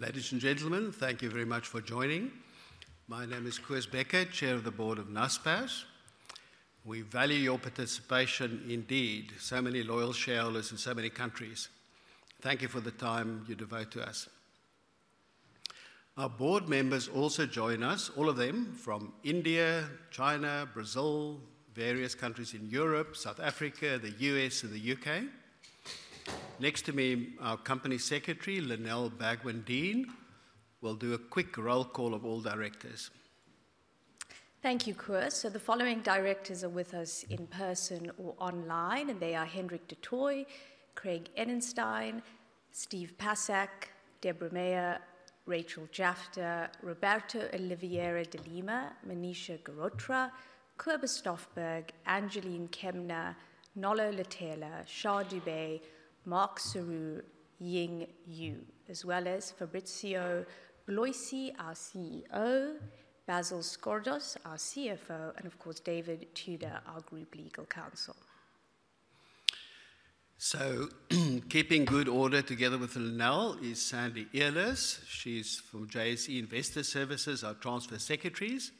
Ladies and gentlemen, thank you very much for joining. My name is Koos Bekker, Chair of the Board of Naspers. We value your participation, indeed, so many loyal shareholders in so many countries. Thank you for the time you devote to us. Our board members also join us, all of them, from India, China, Brazil, various countries in Europe, South Africa, the U.S., and the U.K. Next to me, our Company Secretary, Lynelle Bagwandeen, will do a quick roll call of all directors. Thank you, Koos. So the following directors are with us in person or online, and they are Hendrik du Toit, Craig Enenstein, Steve Pacak, Debra Meyer, Rachel Jafta, Roberto Oliveira de Lima, Manisha Girotra, Cobus Stofberg, Angelien Kemna, Nolo Letele, Sharmistha Dubey, Mark Sorour, Ying Xu, as well as Fabrício Bloisi, our CEO, Basil Sgourdos, our CFO, and of course, David Tudor, our group legal counsel. So keeping good order together with Lynelle is Sandy Earl. She's from JSE Investor Services, our transfer secretaries.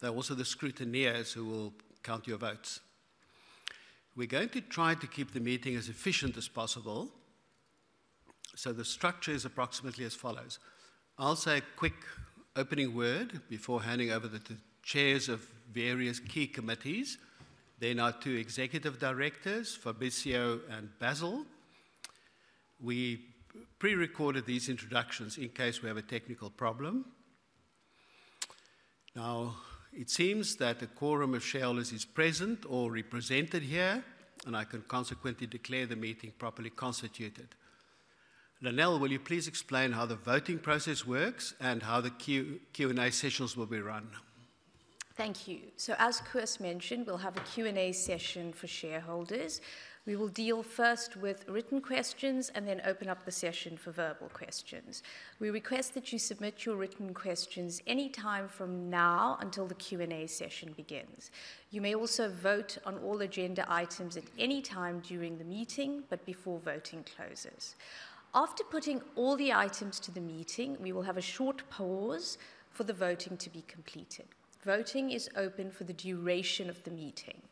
They're also the scrutineers who will count your votes. We're going to try to keep the meeting as efficient as possible, so the structure is approximately as follows: I'll say a quick opening word before handing over to chairs of various key committees. They're our two executive directors, Fabrício and Basil. We pre-recorded these introductions in case we have a technical problem. Now, it seems that a quorum of shareholders is present or represented here, and I can consequently declare the meeting properly constituted. Lynelle, will you please explain how the voting process works and how the Q&A sessions will be run? Thank you. So, as Koos mentioned, we'll have a Q&A session for shareholders. We will deal first with written questions and then open up the session for verbal questions. We request that you submit your written questions any time from now until the Q&A session begins. You may also vote on all agenda items at any time during the meeting, but before voting closes. After putting all the items to the meeting, we will have a short pause for the voting to be completed. Voting is open for the duration of the meeting.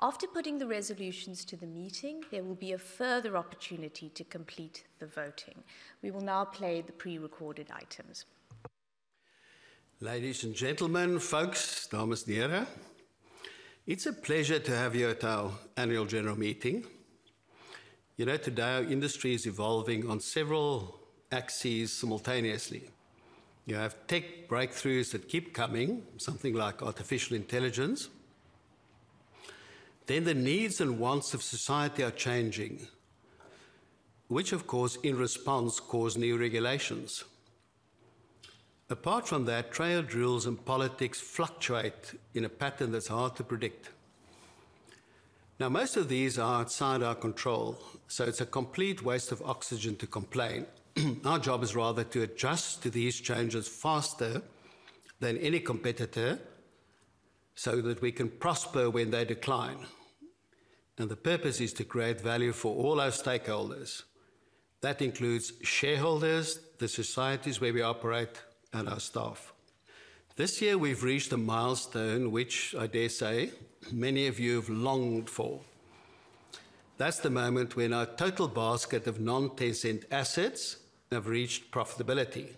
After putting the resolutions to the meeting, there will be a further opportunity to complete the voting. We will now play the pre-recorded items. Ladies and gentlemen, folks, dames en here. It's a pleasure to have you at our annual general meeting. You know, today, our industry is evolving on several axes simultaneously. You have tech breakthroughs that keep coming, something like artificial intelligence. Then the needs and wants of society are changing, which of course, in response, cause new regulations. Apart from that, trade rules and politics fluctuate in a pattern that's hard to predict. Now, most of these are outside our control, so it's a complete waste of oxygen to complain. Our job is rather to adjust to these changes faster than any competitor, so that we can prosper when they decline, and the purpose is to create value for all our stakeholders. That includes shareholders, the societies where we operate, and our staff. This year, we've reached a milestone, which I dare say, many of you have longed for. That's the moment when our total basket of non-Tencent assets have reached profitability,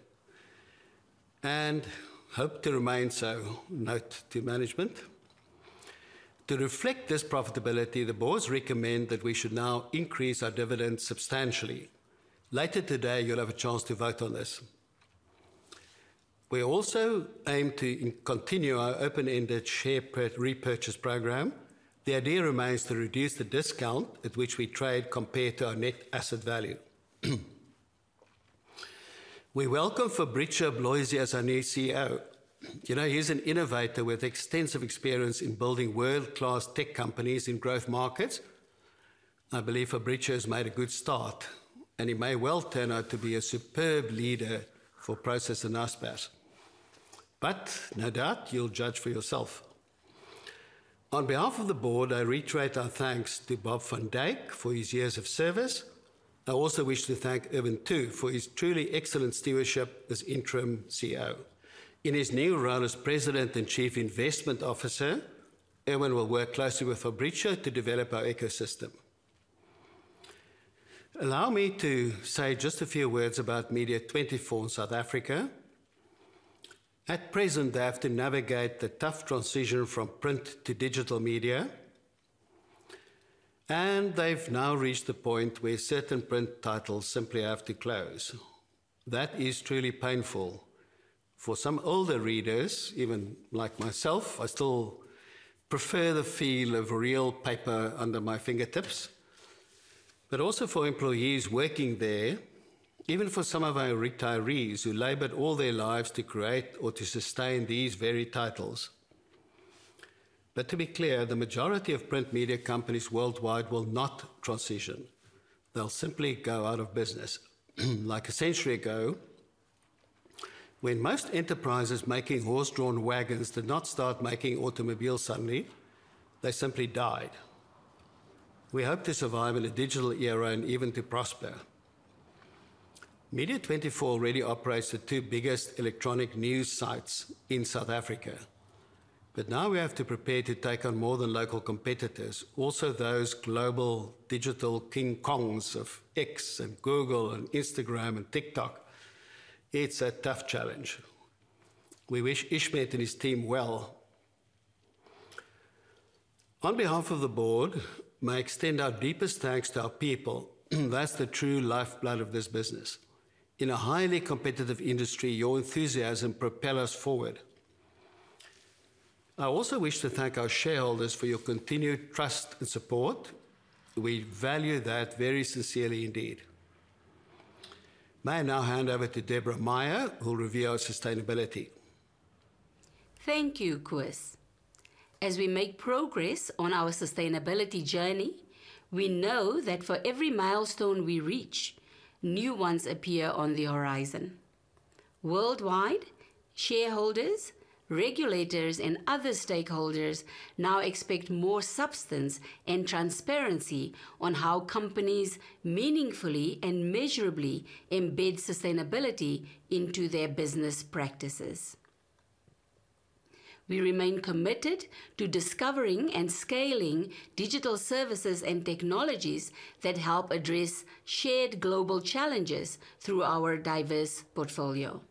and hope to remain so, note to management. To reflect this profitability, the boards recommend that we should now increase our dividend substantially. Later today, you'll have a chance to vote on this. We also aim to continue our open-ended share repurchase program. The idea remains to reduce the discount at which we trade compared to our net asset value. We welcome Fabrício Bloisi as our new CEO. You know, he's an innovator with extensive experience in building world-class tech companies in growth markets. I believe Fabrício has made a good start, and he may well turn out to be a superb leader for Prosus and Naspers. But no doubt, you'll judge for yourself. On behalf of the board, I reiterate our thanks to Bob van Dijk for his years of service. I also wish to thank Ervin Tu for his truly excellent stewardship as Interim CEO. In his new role as President and Chief Investment Officer, Ervin will work closely with Fabrício to develop our ecosystem. Allow me to say just a few words about Media24 in South Africa. At present, they have to navigate the tough transition from print to digital media, and they've now reached a point where certain print titles simply have to close. That is truly painful for some older readers, even like myself. I still prefer the feel of real paper under my fingertips. But also for employees working there, even for some of our retirees, who labored all their lives to create or to sustain these very titles. But to be clear, the majority of print media companies worldwide will not transition. They'll simply go out of business. Like a century ago, when most enterprises making horse-drawn wagons did not start making automobiles suddenly, they simply died.... We hope to survive in a digital era and even to prosper. Media24 already operates the two biggest electronic news sites in South Africa, but now we have to prepare to take on more than local competitors, also those global digital King Kongs of X and Google and Instagram and TikTok. It's a tough challenge. We wish Ishmet and his team well. On behalf of the board, may I extend our deepest thanks to our people. That's the true lifeblood of this business. In a highly competitive industry, your enthusiasm propel us forward. I also wish to thank our shareholders for your continued trust and support. We value that very sincerely indeed. May I now hand over to Debra Meyer, who'll review our sustainability. Thank you, Koos. As we make progress on our sustainability journey, we know that for every milestone we reach, new ones appear on the horizon. Worldwide, shareholders, regulators, and other stakeholders now expect more substance and transparency on how companies meaningfully and measurably embed sustainability into their business practices. We remain committed to discovering and scaling digital services and technologies that help address shared global challenges through our diverse portfolio.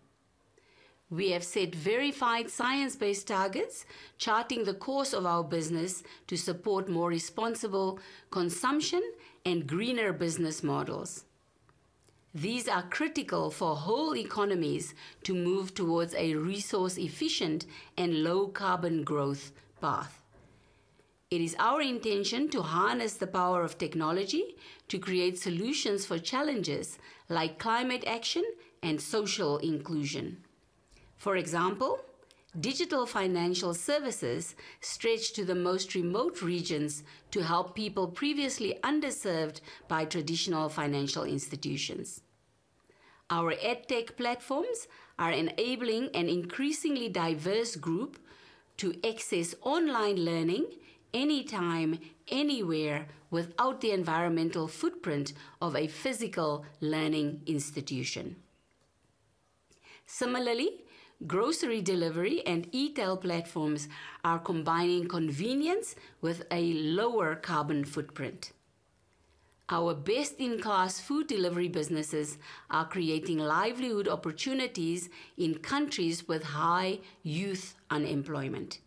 We have set verified science-based targets, charting the course of our business to support more responsible consumption and greener business models. These are critical for whole economies to move towards a resource-efficient and low-carbon growth path. It is our intention to harness the power of technology to create solutions for challenges like climate action and social inclusion. For example, digital financial services stretch to the most remote regions to help people previously underserved by traditional financial institutions. Our EdTech platforms are enabling an increasingly diverse group to access online learning anytime, anywhere, without the environmental footprint of a physical learning institution. Similarly, grocery delivery and e-tail platforms are combining convenience with a lower carbon footprint. Our best-in-class food delivery businesses are creating livelihood opportunities in countries with high youth unemployment.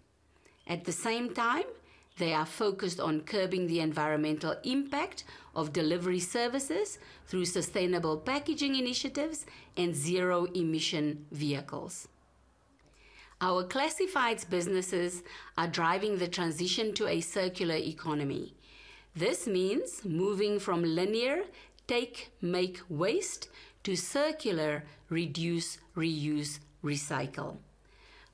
At the same time, they are focused on curbing the environmental impact of delivery services through sustainable packaging initiatives and zero-emission vehicles. Our classifieds businesses are driving the transition to a circular economy. This means moving from linear, take, make, waste, to circular, reduce, reuse, recycle.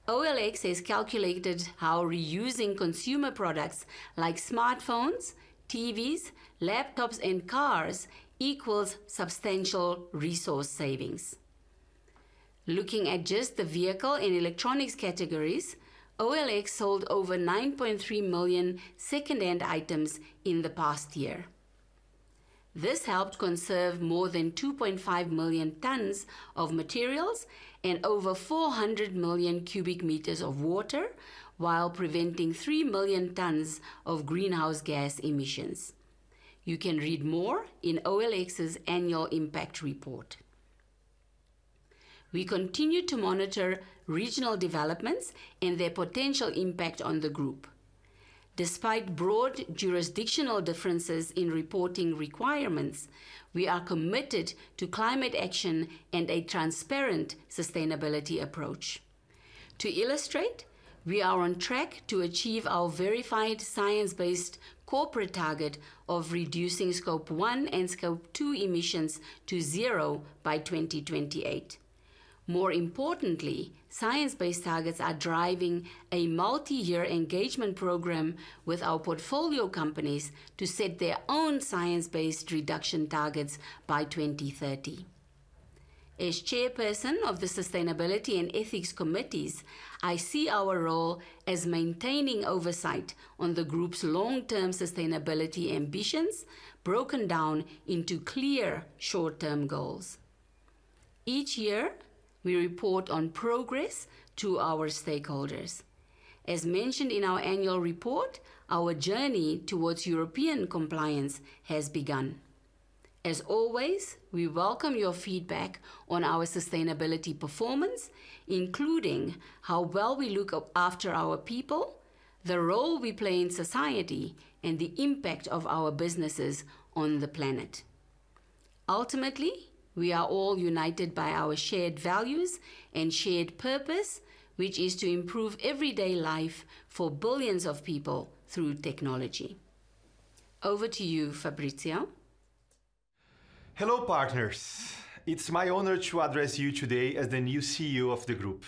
OLX has calculated how reusing consumer products like smartphones, TVs, laptops, and cars equals substantial resource savings. Looking at just the vehicle and electronics categories, OLX sold over 9.3 million second-hand items in the past year. This helped conserve more than 2.5 million tons of materials and over 400 million cubic meters of water, while preventing 3 million tons of greenhouse gas emissions. You can read more in OLX's annual impact report. We continue to monitor regional developments and their potential impact on the group. Despite broad jurisdictional differences in reporting requirements, we are committed to climate action and a transparent sustainability approach. To illustrate, we are on track to achieve our verified science-based corporate target of reducing Scope 1 and Scope 2 emissions to zero by 2028. More importantly, science-based targets are driving a multiyear engagement program with our portfolio companies to set their own science-based reduction targets by 2030. As chairperson of the Sustainability and Ethics Committees, I see our role as maintaining oversight on the group's long-term sustainability ambitions, broken down into clear short-term goals. Each year, we report on progress to our stakeholders. As mentioned in our annual report, our journey towards European compliance has begun. As always, we welcome your feedback on our sustainability performance, including how well we look after our people, the role we play in society, and the impact of our businesses on the planet. Ultimately, we are all united by our shared values and shared purpose, which is to improve everyday life for billions of people through technology. Over to you, Fabrício. Hello, partners. It's my honor to address you today as the new CEO of the group.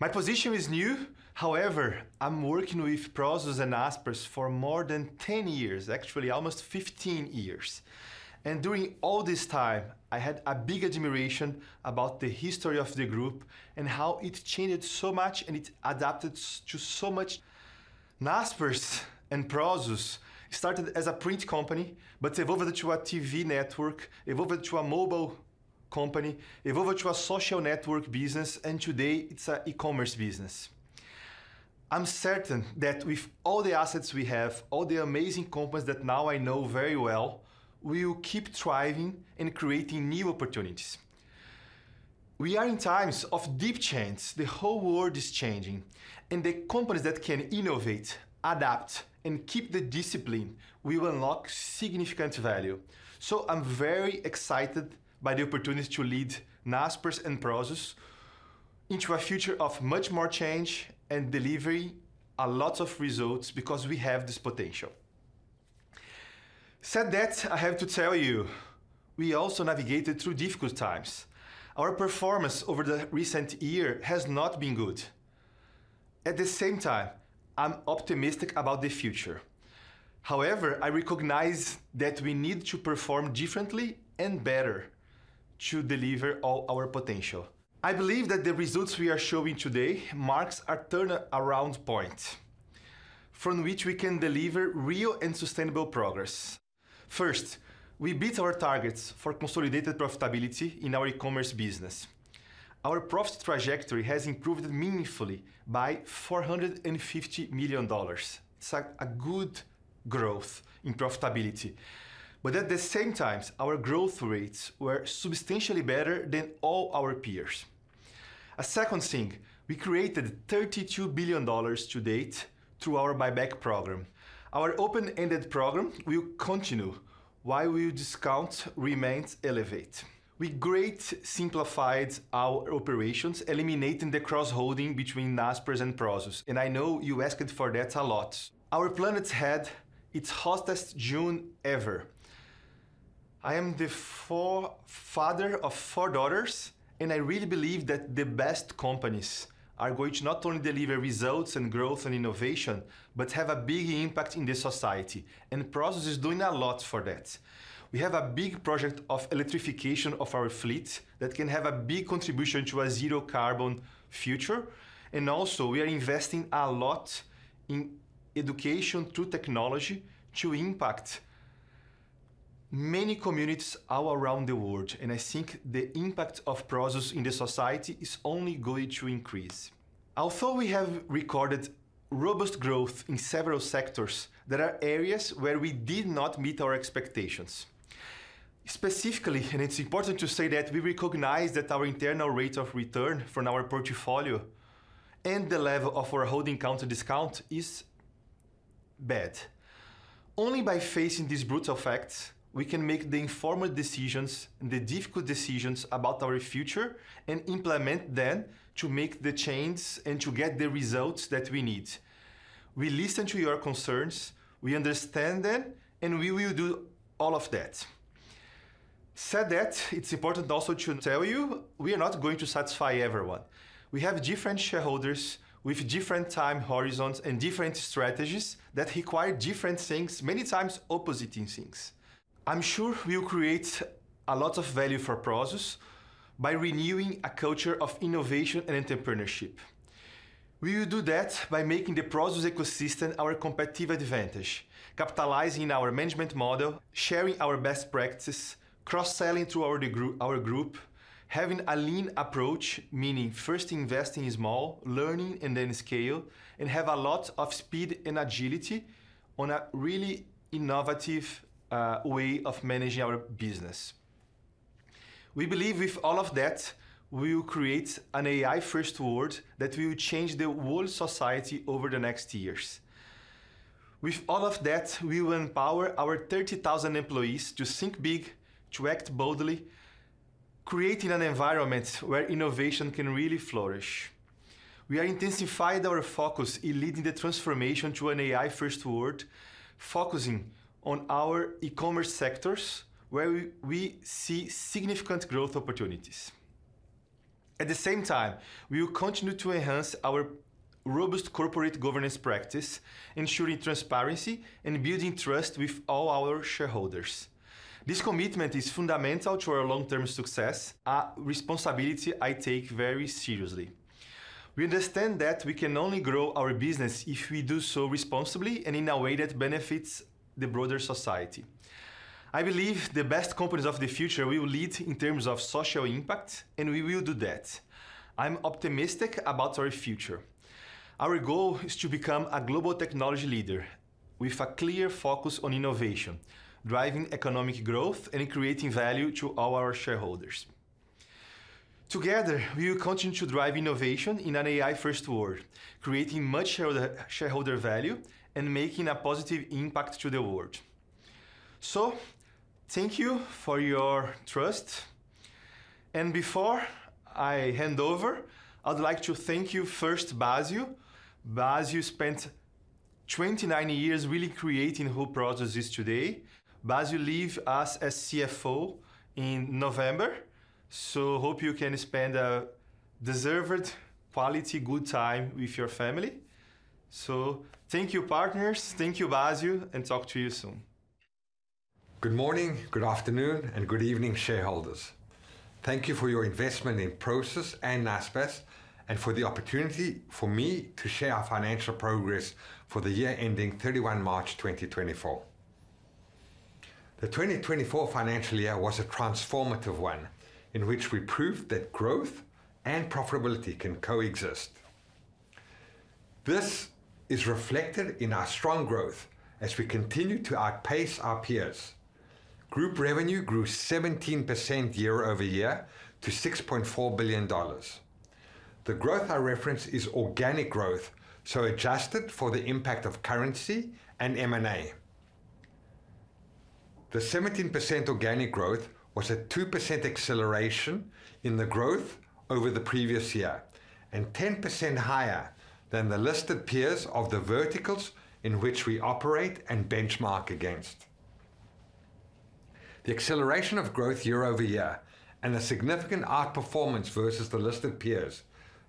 My position is new, however, I'm working with Prosus and Naspers for more than 10 years, actually almost 15 years, and during all this time, I had a big admiration about the history of the group and how it changed so much, and it adapted to so much. Naspers and Prosus started as a print company, but evolved into a TV network, evolved to a mobile company, evolved to a social network business, and today it's an e-commerce business. I'm certain that with all the assets we have, all the amazing companies that now I know very well, we will keep thriving and creating new opportunities. We are in times of deep change. The whole world is changing, and the companies that can innovate, adapt, and keep the discipline will unlock significant value. So I'm very excited by the opportunity to lead Naspers and Prosus into a future of much more change and delivering a lot of results because we have this potential. Said that, I have to tell you, we also navigated through difficult times. Our performance over the recent year has not been good. At the same time, I'm optimistic about the future. However, I recognize that we need to perform differently and better to deliver all our potential. I believe that the results we are showing today marks a turnaround point from which we can deliver real and sustainable progress. First, we beat our targets for consolidated profitability in our e-commerce business. Our profit trajectory has improved meaningfully by $450 million. It's a good growth in profitability, but at the same time, our growth rates were substantially better than all our peers. A second thing, we created $32 billion to date through our buyback program. Our open-ended program will continue while the discount remains elevated. We've greatly simplified our operations, eliminating the cross-holding between Naspers and Prosus, and I know you asked for that a lot. Our planet had its hottest June ever. I am the father of four daughters, and I really believe that the best companies are going to not only deliver results, and growth, and innovation, but have a big impact on society, and Prosus is doing a lot for that. We have a big project of electrification of our fleet that can have a big contribution to a zero-carbon future, and also, we are investing a lot in education through technology to impact many communities all around the world, and I think the impact of Prosus on society is only going to increase. Although we have recorded robust growth in several sectors, there are areas where we did not meet our expectations. Specifically, and it's important to say that we recognize that our internal rate of return from our portfolio and the level of our conglomerate discount is bad. Only by facing these brutal facts, we can make the informed decisions and the difficult decisions about our future and implement them to make the change and to get the results that we need. We listen to your concerns, we understand them, and we will do all of that. That said, it's important also to tell you, we are not going to satisfy everyone. We have different shareholders with different time horizons and different strategies that require different things, many times opposing things. I'm sure we'll create a lot of value for Prosus by renewing a culture of innovation and entrepreneurship. We will do that by making the Prosus ecosystem our competitive advantage, capitalizing our management model, sharing our best practices, cross-selling through our group, having a lean approach, meaning first investing small, learning, and then scale, and have a lot of speed and agility on a really innovative way of managing our business. We believe with all of that, we will create an AI-first world that will change the whole society over the next years. With all of that, we will empower our 30,000 employees to think big, to act boldly, creating an environment where innovation can really flourish. We have intensified our focus in leading the transformation to an AI-first world, focusing on our e-commerce sectors, where we see significant growth opportunities. At the same time, we will continue to enhance our robust corporate governance practice, ensuring transparency and building trust with all our shareholders. This commitment is fundamental to our long-term success, a responsibility I take very seriously. We understand that we can only grow our business if we do so responsibly and in a way that benefits the broader society. I believe the best companies of the future will lead in terms of social impact, and we will do that. I'm optimistic about our future. Our goal is to become a global technology leader with a clear focus on innovation, driving economic growth, and creating value to all our shareholders. Together, we will continue to drive innovation in an AI-first world, creating much shareholder value and making a positive impact to the world. So, thank you for your trust, and before I hand over, I'd like to thank you, first, Basil. Basil spent 29 years really creating who Prosus is today. Basil leave us as CFO in November, so hope you can spend a deserved quality good time with your family. So thank you, partners. Thank you, Basil, and talk to you soon. Good morning, good afternoon, and good evening, shareholders. Thank you for your investment in Prosus and Naspers, and for the opportunity for me to share our financial progress for the year ending thirty-one March 2024. The 2024 financial year was a transformative one, in which we proved that growth and profitability can coexist. This is reflected in our strong growth as we continue to outpace our peers. Group revenue grew 17% year over year to $6.4 billion. The growth I reference is organic growth, so adjusted for the impact of currency and M&A. The 17% organic growth was a 2% acceleration in the growth over the previous year, and 10% higher than the listed peers of the verticals in which we operate and benchmark against. The acceleration of growth year over year, and a significant outperformance versus the listed peers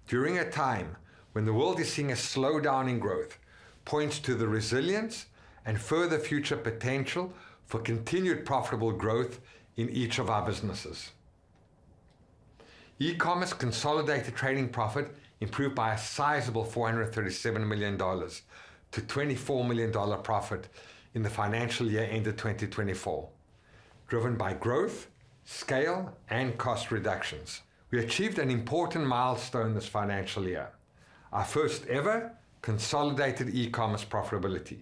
during a time when the world is seeing a slowdown in growth, points to the resilience and further future potential for continued profitable growth in each of our businesses. E-commerce consolidated trading profit improved by a sizable $437 million to $24 million profit in the financial year ended 2024, driven by growth, scale, and cost reductions. We achieved an important milestone this financial year, our first ever consolidated e-commerce profitability.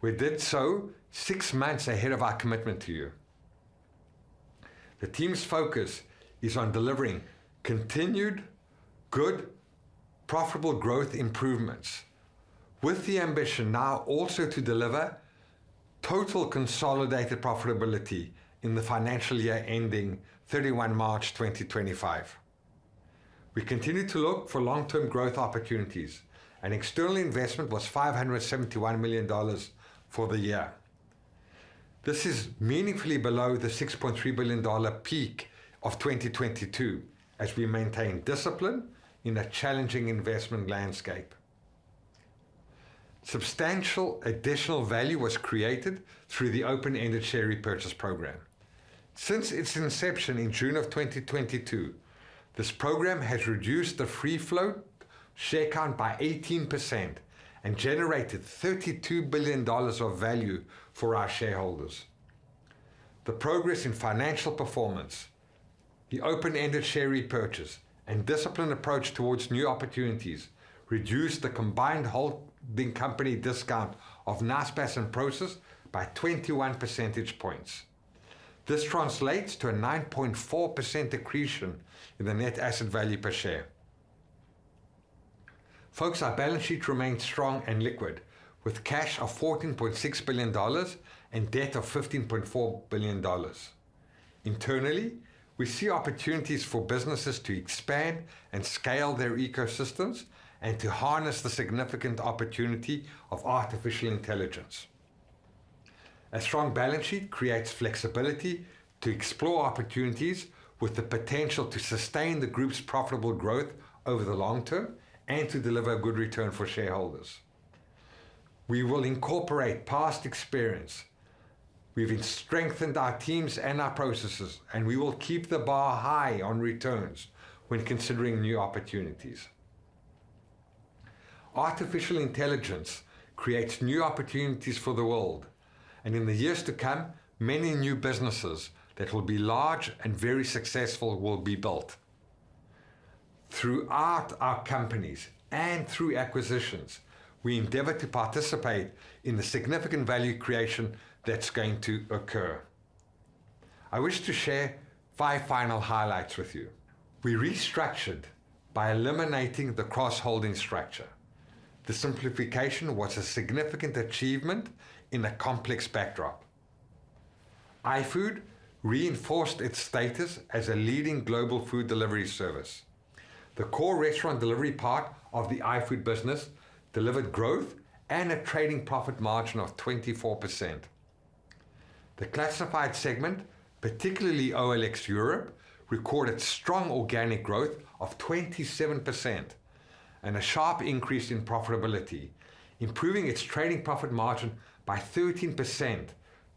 We did so six months ahead of our commitment to you. The team's focus is on delivering continued good, profitable growth improvements, with the ambition now also to deliver total consolidated profitability in the financial year ending 31 March 2025. We continue to look for long-term growth opportunities, and external investment was $571 million for the year. This is meaningfully below the $6.3 billion peak of 2022, as we maintain discipline in a challenging investment landscape. Substantial additional value was created through the open-ended share repurchase program. Since its inception in June of 2022, this program has reduced the free float share count by 18% and generated $32 billion of value for our shareholders. The progress in financial performance, the open-ended share repurchase, and disciplined approach towards new opportunities reduced the combined holding company discount of Naspers and Prosus by 21 percentage points. This translates to a 9.4% accretion in the net asset value per share. Folks, our balance sheet remains strong and liquid, with cash of $14.6 billion and debt of $15.4 billion. Internally, we see opportunities for businesses to expand and scale their ecosystems and to harness the significant opportunity of artificial intelligence. A strong balance sheet creates flexibility to explore opportunities with the potential to sustain the group's profitable growth over the long term and to deliver a good return for shareholders. We will incorporate past experience. We've strengthened our teams and our processes, and we will keep the bar high on returns when considering new opportunities. Artificial intelligence creates new opportunities for the world, and in the years to come, many new businesses that will be large and very successful will be built. Throughout our companies and through acquisitions, we endeavor to participate in the significant value creation that's going to occur. I wish to share five final highlights with you. We restructured by eliminating the cross-holding structure. The simplification was a significant achievement in a complex backdrop. iFood reinforced its status as a leading global food delivery service. The core restaurant delivery part of the iFood business delivered growth and a trading profit margin of 24%. The classified segment, particularly OLX Europe, recorded strong organic growth of 27% and a sharp increase in profitability, improving its trading profit margin by 13%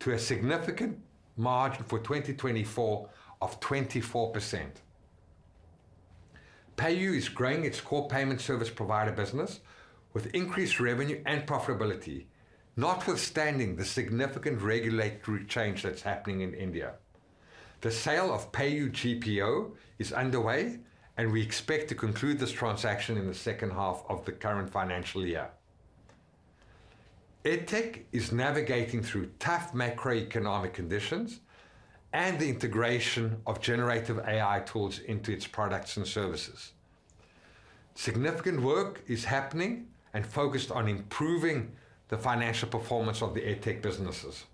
to a significant margin for 2024 of 24%. PayU is growing its core payment service provider business with increased revenue and profitability, notwithstanding the significant regulatory change that's happening in India. The sale of PayU GPO is underway, and we expect to conclude this transaction in the second half of the current financial year. EdTech is navigating through tough macroeconomic conditions and the integration of generative AI tools into its products and services. Significant work is happening and focused on improving the financial performance of the EdTech businesses.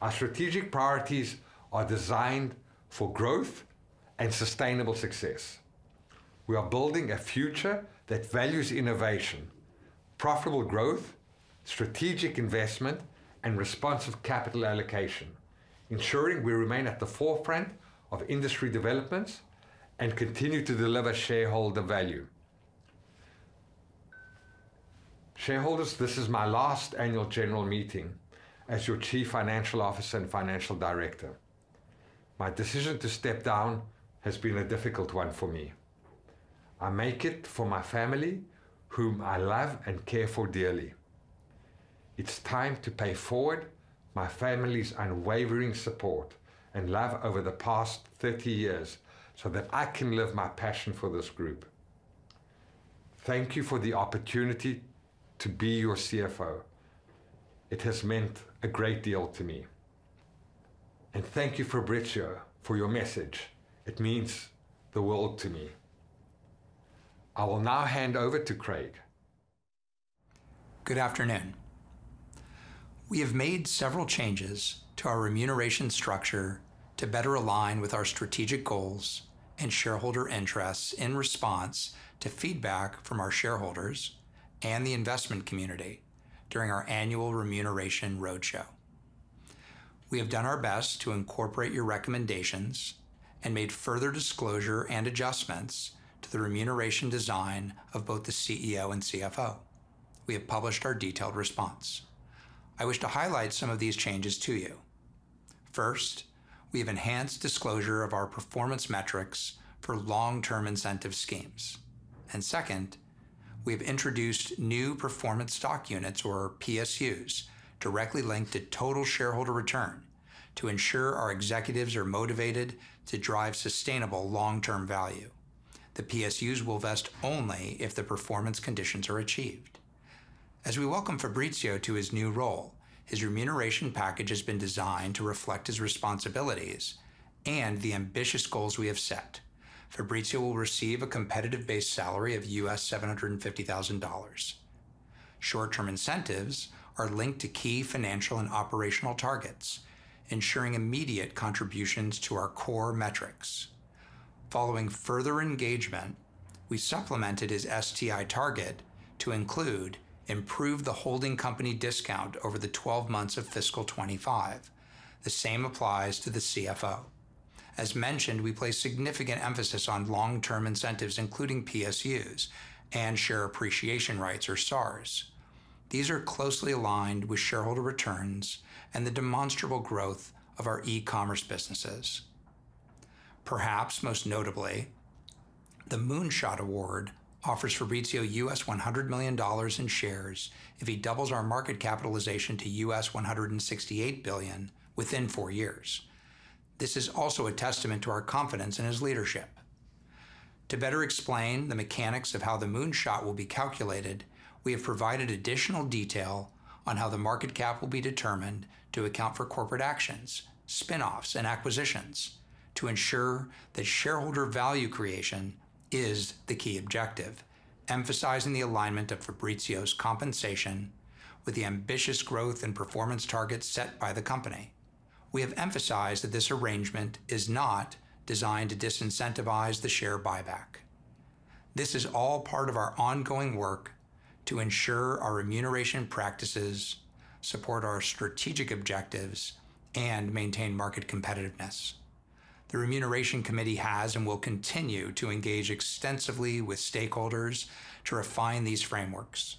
Our strategic priorities are designed for growth and sustainable success. We are building a future that values innovation, profitable growth, strategic investment, and responsive capital allocation, ensuring we remain at the forefront of industry developments and continue to deliver shareholder value. Shareholders, this is my last annual general meeting as your Chief Financial Officer and Financial Director. My decision to step down has been a difficult one for me. I make it for my family, whom I love and care for dearly. It's time to pay forward my family's unwavering support and love over the past thirty years, so that I can live my passion for this group. Thank you for the opportunity to be your CFO. It has meant a great deal to me. And thank you, Fabrício, for your message. It means the world to me. I will now hand over to Craig. Good afternoon. We have made several changes to our remuneration structure to better align with our strategic goals and shareholder interests in response to feedback from our shareholders and the investment community during our annual remuneration roadshow. We have done our best to incorporate your recommendations and made further disclosure and adjustments to the remuneration design of both the CEO and CFO. We have published our detailed response. I wish to highlight some of these changes to you. First, we have enhanced disclosure of our performance metrics for long-term incentive schemes. And second, we've introduced new performance stock units, or PSUs, directly linked to total shareholder return, to ensure our executives are motivated to drive sustainable long-term value. The PSUs will vest only if the performance conditions are achieved. As we welcome Fabrício to his new role, his remuneration package has been designed to reflect his responsibilities and the ambitious goals we have set. Fabrício will receive a competitive base salary of $750,000. Short-term incentives are linked to key financial and operational targets, ensuring immediate contributions to our core metrics. Following further engagement, we supplemented his STI target to include: improve the holding company discount over the 12 months of fiscal 2025. The same applies to the CFO. As mentioned, we place significant emphasis on long-term incentives, including PSUs and share appreciation rights, or SARs. These are closely aligned with shareholder returns and the demonstrable growth of our e-commerce businesses. Perhaps most notably, the Moonshot Award offers Fabrício $100 million in shares if he doubles our market capitalization to $168 billion within four years. This is also a testament to our confidence in his leadership. To better explain the mechanics of how the Moonshot will be calculated, we have provided additional detail on how the market cap will be determined to account for corporate actions, spin-offs, and acquisitions, to ensure that shareholder value creation is the key objective, emphasizing the alignment of Fabrício's compensation with the ambitious growth and performance targets set by the company. We have emphasized that this arrangement is not designed to disincentivize the share buyback. This is all part of our ongoing work to ensure our remuneration practices support our strategic objectives and maintain market competitiveness. The Remuneration Committee has, and will continue, to engage extensively with stakeholders to refine these frameworks.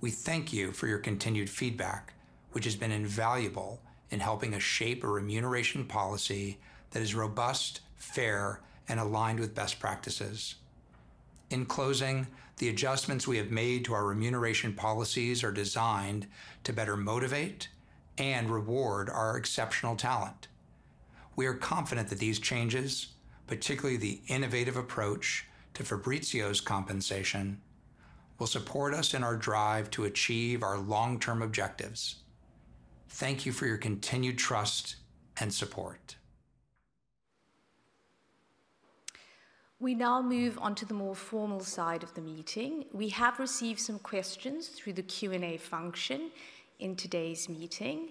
We thank you for your continued feedback, which has been invaluable in helping us shape a remuneration policy that is robust, fair, and aligned with best practices. In closing, the adjustments we have made to our remuneration policies are designed to better motivate and reward our exceptional talent. We are confident that these changes, particularly the innovative approach to Fabrício's compensation, will support us in our drive to achieve our long-term objectives. Thank you for your continued trust and support. We now move on to the more formal side of the meeting. We have received some questions through the Q&A function in today's meeting.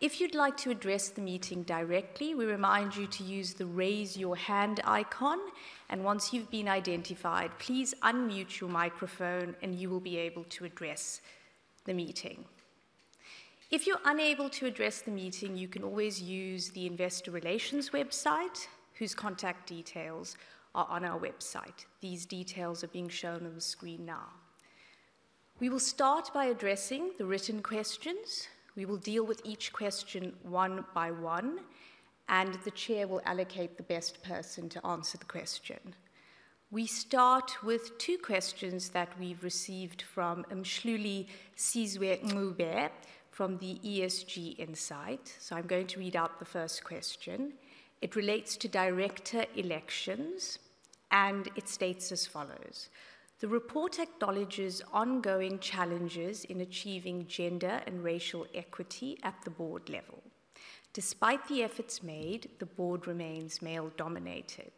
If you'd like to address the meeting directly, we remind you to use the Raise Your Hand icon, and once you've been identified, please unmute your microphone, and you will be able to address the meeting. If you're unable to address the meeting, you can always use the investor relations website, whose contact details are on our website. These details are being shown on the screen now. We will start by addressing the written questions. We will deal with each question one by one, and the chair will allocate the best person to answer the question. We start with two questions that we've received from Mhlulisizwe Ncube from the ESG Insight. So I'm going to read out the first question. It relates to director elections, and it states as follows: "The report acknowledges ongoing challenges in achieving gender and racial equity at the board level. Despite the efforts made, the board remains male-dominated.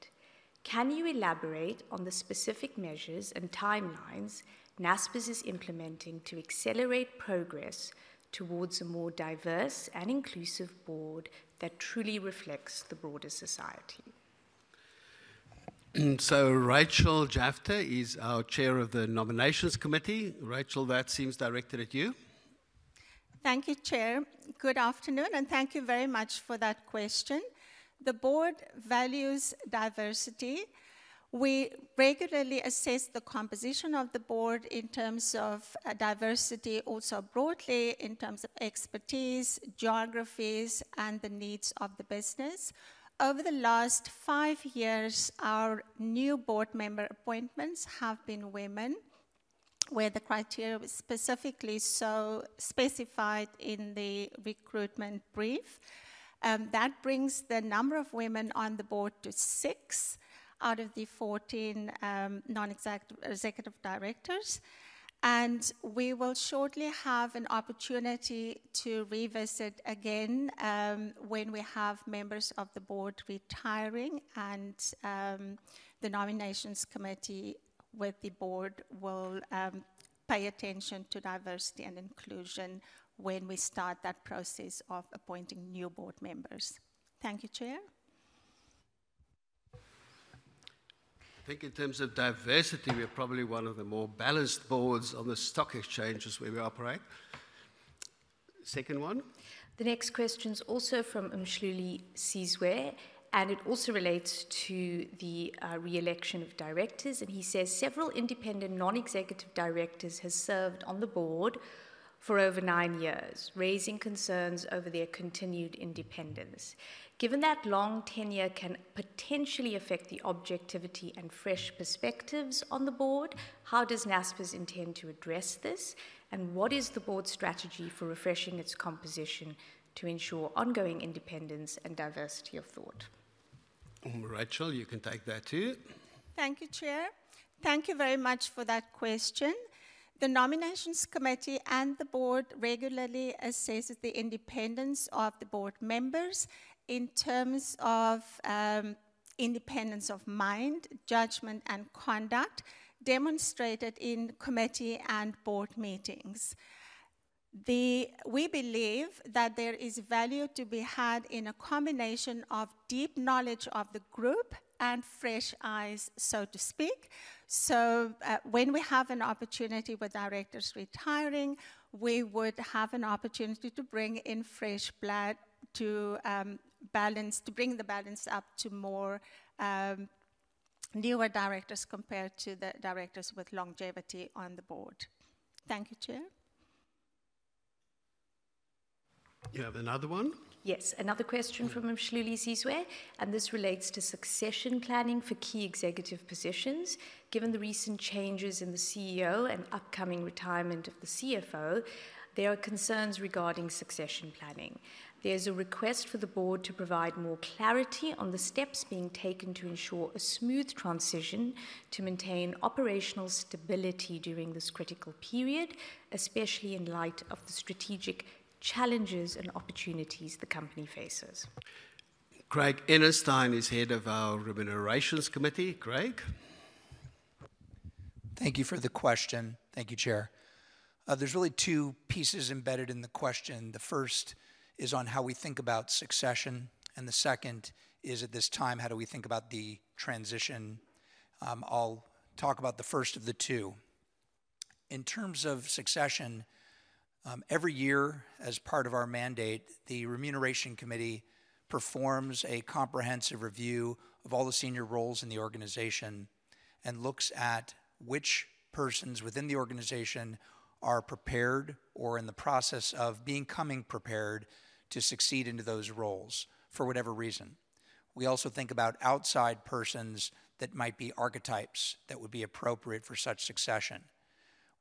Can you elaborate on the specific measures and timelines Naspers is implementing to accelerate progress towards a more diverse and inclusive board that truly reflects the broader society? Rachel Jafta is our Chair of the Nominations Committee. Rachel, that seems directed at you. Thank you, Chair. Good afternoon, and thank you very much for that question. The board values diversity. We regularly assess the composition of the board in terms of diversity, also broadly in terms of expertise, geographies, and the needs of the business. Over the last five years, our new board member appointments have been women, where the criteria was specifically so specified in the recruitment brief. That brings the number of women on the board to six out of the 14 non-executive directors, and we will shortly have an opportunity to revisit again when we have members of the board retiring, and the nominations committee with the board will pay attention to diversity and inclusion when we start that process of appointing new board members. Thank you, Chair. I think in terms of diversity, we are probably one of the more balanced boards on the stock exchanges where we operate. Second one? The next question's also from Mhlulisizwe, and it also relates to the re-election of directors. And he says: "Several independent non-executive directors have served on the board for over nine years, raising concerns over their continued independence. Given that long tenure can potentially affect the objectivity and fresh perspectives on the board, how does Naspers intend to address this, and what is the board's strategy for refreshing its composition to ensure ongoing independence and diversity of thought? Rachel, you can take that, too. Thank you, Chair. Thank you very much for that question. The Nominations Committee and the Board regularly assesses the independence of the board members in terms of independence of mind, judgment, and conduct demonstrated in committee and board meetings. We believe that there is value to be had in a combination of deep knowledge of the group and fresh eyes, so to speak. So, when we have an opportunity with directors retiring, we would have an opportunity to bring in fresh blood to balance, to bring the balance up to more newer directors compared to the directors with longevity on the board. Thank you, Chair. You have another one? Yes, another question from Mhlulisizwe Ncube, and this relates to succession planning for key executive positions. Given the recent changes in the CEO and upcoming retirement of the CFO, there are concerns regarding succession planning. There's a request for the board to provide more clarity on the steps being taken to ensure a smooth transition to maintain operational stability during this critical period, especially in light of the strategic challenges and opportunities the company faces. Craig Enenstein is head of our Remuneration Committee. Craig? Thank you for the question. Thank you, Chair. There's really two pieces embedded in the question. The first is on how we think about succession, and the second is, at this time, how do we think about the transition? I'll talk about the first of the two. In terms of succession, every year, as part of our mandate, the Remuneration Committee performs a comprehensive review of all the senior roles in the organization and looks at which persons within the organization are prepared or in the process of becoming prepared to succeed into those roles, for whatever reason. We also think about outside persons that might be archetypes that would be appropriate for such succession.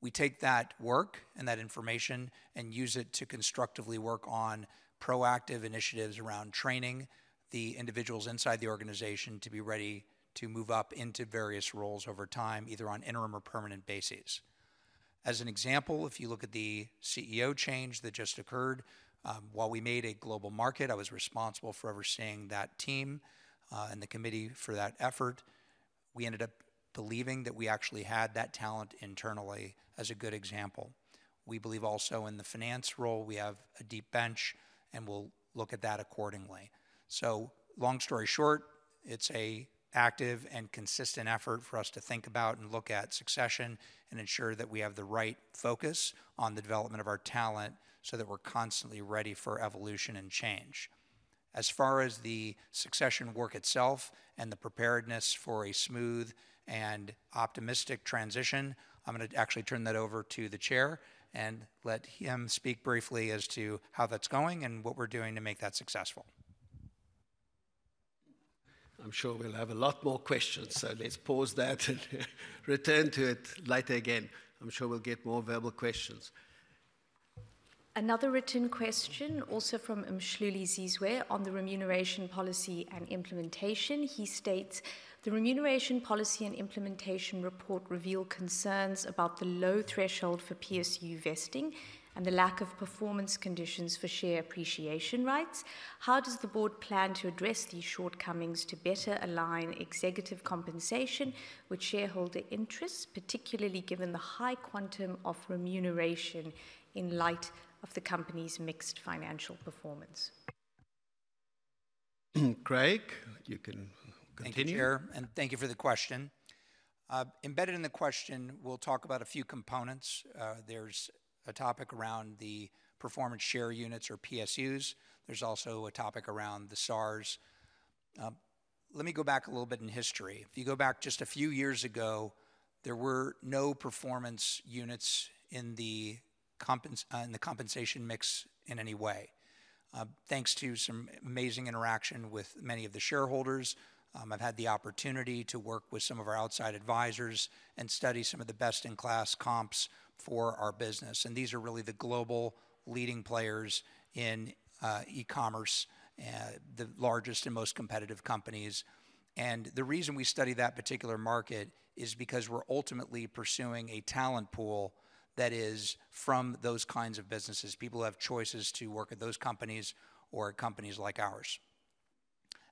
We take that work and that information and use it to constructively work on proactive initiatives around training the individuals inside the organization to be ready to move up into various roles over time, either on interim or permanent basis. As an example, if you look at the CEO change that just occurred, while we made a global search, I was responsible for overseeing that team, and the committee for that effort. We ended up believing that we actually had that talent internally, as a good example. We believe also in the finance role, we have a deep bench, and we'll look at that accordingly. So long story short, it's an active and consistent effort for us to think about and look at succession and ensure that we have the right focus on the development of our talent so that we're constantly ready for evolution and change. As far as the succession work itself and the preparedness for a smooth and optimistic transition, I'm gonna actually turn that over to the chair and let him speak briefly as to how that's going and what we're doing to make that successful. I'm sure we'll have a lot more questions, so let's pause that and return to it later again. I'm sure we'll get more verbal questions. Another written question, also from Mhlulisizwe Ncube, on the remuneration policy and implementation. He states: "The remuneration policy and implementation report reveal concerns about the low threshold for PSU vesting and the lack of performance conditions for share appreciation rights. How does the board plan to address these shortcomings to better align executive compensation with shareholder interests, particularly given the high quantum of remuneration in light of the company's mixed financial performance? Craig, you can continue. Thank you, Chair, and thank you for the question. Embedded in the question, we'll talk about a few components. There's a topic around the performance share units or PSUs. There's also a topic around the SARs. Let me go back a little bit in history. If you go back just a few years ago, there were no performance units in the compensation mix in any way. Thanks to some amazing interaction with many of the shareholders, I've had the opportunity to work with some of our outside advisors and study some of the best-in-class comps for our business, and these are really the global leading players in e-commerce, the largest and most competitive companies. The reason we study that particular market is because we're ultimately pursuing a talent pool that is from those kinds of businesses, people who have choices to work at those companies or at companies like ours.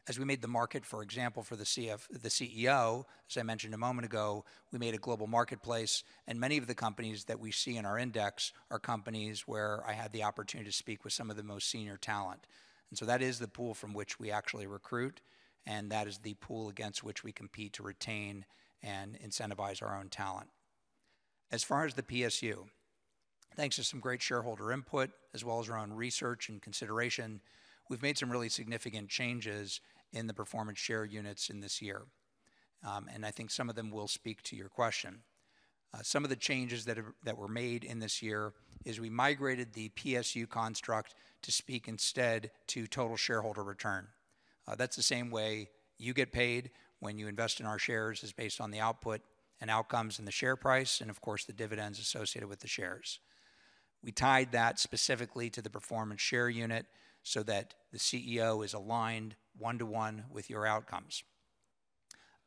As we made the market, for example, for the CEO, as I mentioned a moment ago, we made a global marketplace, and many of the companies that we see in our index are companies where I had the opportunity to speak with some of the most senior talent. So that is the pool from which we actually recruit, and that is the pool against which we compete to retain and incentivize our own talent. As far as the PSU, thanks to some great shareholder input, as well as our own research and consideration, we've made some really significant changes in the performance share units in this year. And I think some of them will speak to your question. Some of the changes that were made in this year is we migrated the PSU construct to speak instead to total shareholder return. That's the same way you get paid when you invest in our shares, is based on the output and outcomes and the share price, and of course, the dividends associated with the shares. We tied that specifically to the performance share unit so that the CEO is aligned one-to-one with your outcomes.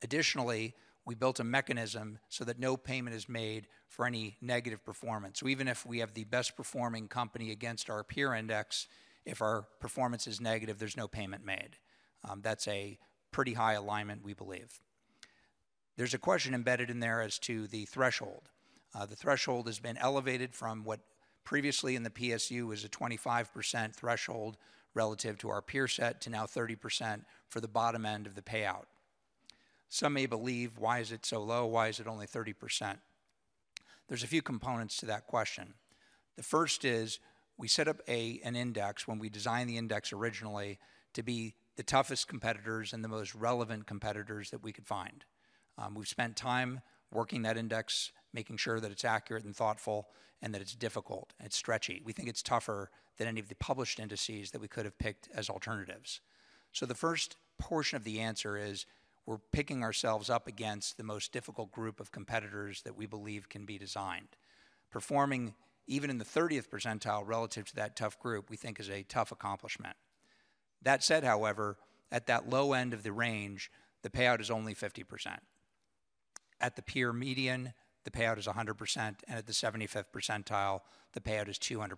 Additionally, we built a mechanism so that no payment is made for any negative performance. So even if we have the best performing company against our peer index, if our performance is negative, there's no payment made. That's a pretty high alignment, we believe. There's a question embedded in there as to the threshold. The threshold has been elevated from what previously in the PSU was a 25% threshold relative to our peer set, to now 30% for the bottom end of the payout. Some may believe: Why is it so low? Why is it only 30%? There's a few components to that question. The first is we set up an index when we designed the index originally to be the toughest competitors and the most relevant competitors that we could find. We've spent time working that index, making sure that it's accurate and thoughtful and that it's difficult and stretchy. We think it's tougher than any of the published indices that we could have picked as alternatives. So the first portion of the answer is, we're picking ourselves up against the most difficult group of competitors that we believe can be designed. Performing even in the 30th percentile relative to that tough group, we think is a tough accomplishment. That said, however, at that low end of the range, the payout is only 50%. At the peer median, the payout is 100%, and at the 75th percentile, the payout is 200%.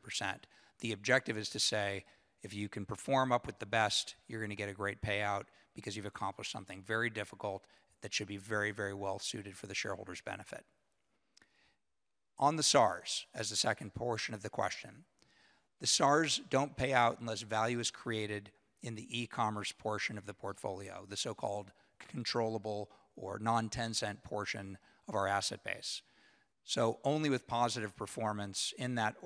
The objective is to say, if you can perform up with the best, you're going to get a great payout because you've accomplished something very difficult that should be very, very well suited for the shareholders' benefit. On the SARs, as the second portion of the question, the SARs don't pay out unless value is created in the e-commerce portion of the portfolio, the so-called controllable or non-Tencent portion of our asset base. So only with positive performance in that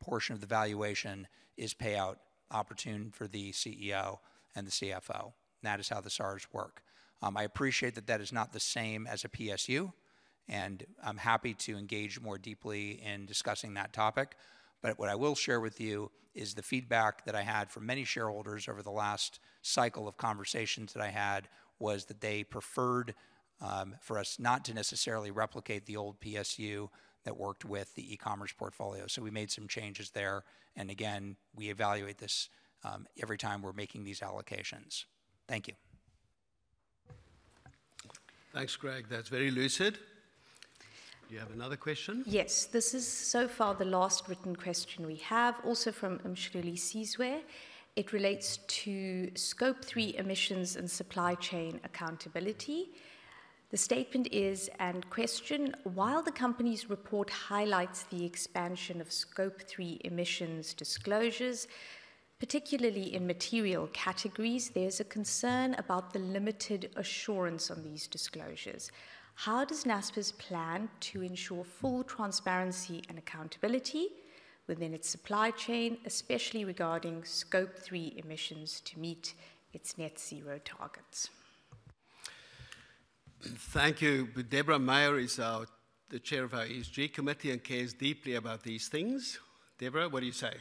portion of the valuation is payout opportune for the CEO and the CFO, and that is how the SARs work. I appreciate that that is not the same as a PSU, and I'm happy to engage more deeply in discussing that topic. But what I will share with you is the feedback that I had from many shareholders over the last cycle of conversations that I had, was that they preferred for us not to necessarily replicate the old PSU that worked with the e-commerce portfolio. So we made some changes there, and again, we evaluate this every time we're making these allocations. Thank you. Thanks, Greg. That's very lucid. Do you have another question? Yes. This is so far the last written question we have, also from Mhlulisizwe. It relates to Scope 3 emissions and supply chain accountability. The statement and question: While the company's report highlights the expansion of Scope 3 emissions disclosures, particularly in material categories, there's a concern about the limited assurance on these disclosures. How does Naspers plan to ensure full transparency and accountability within its supply chain, especially regarding Scope 3 emissions, to meet its net zero targets? Thank you. Debra Meyer is the Chair of our ESG committee and cares deeply about these things. Debra, what do you say?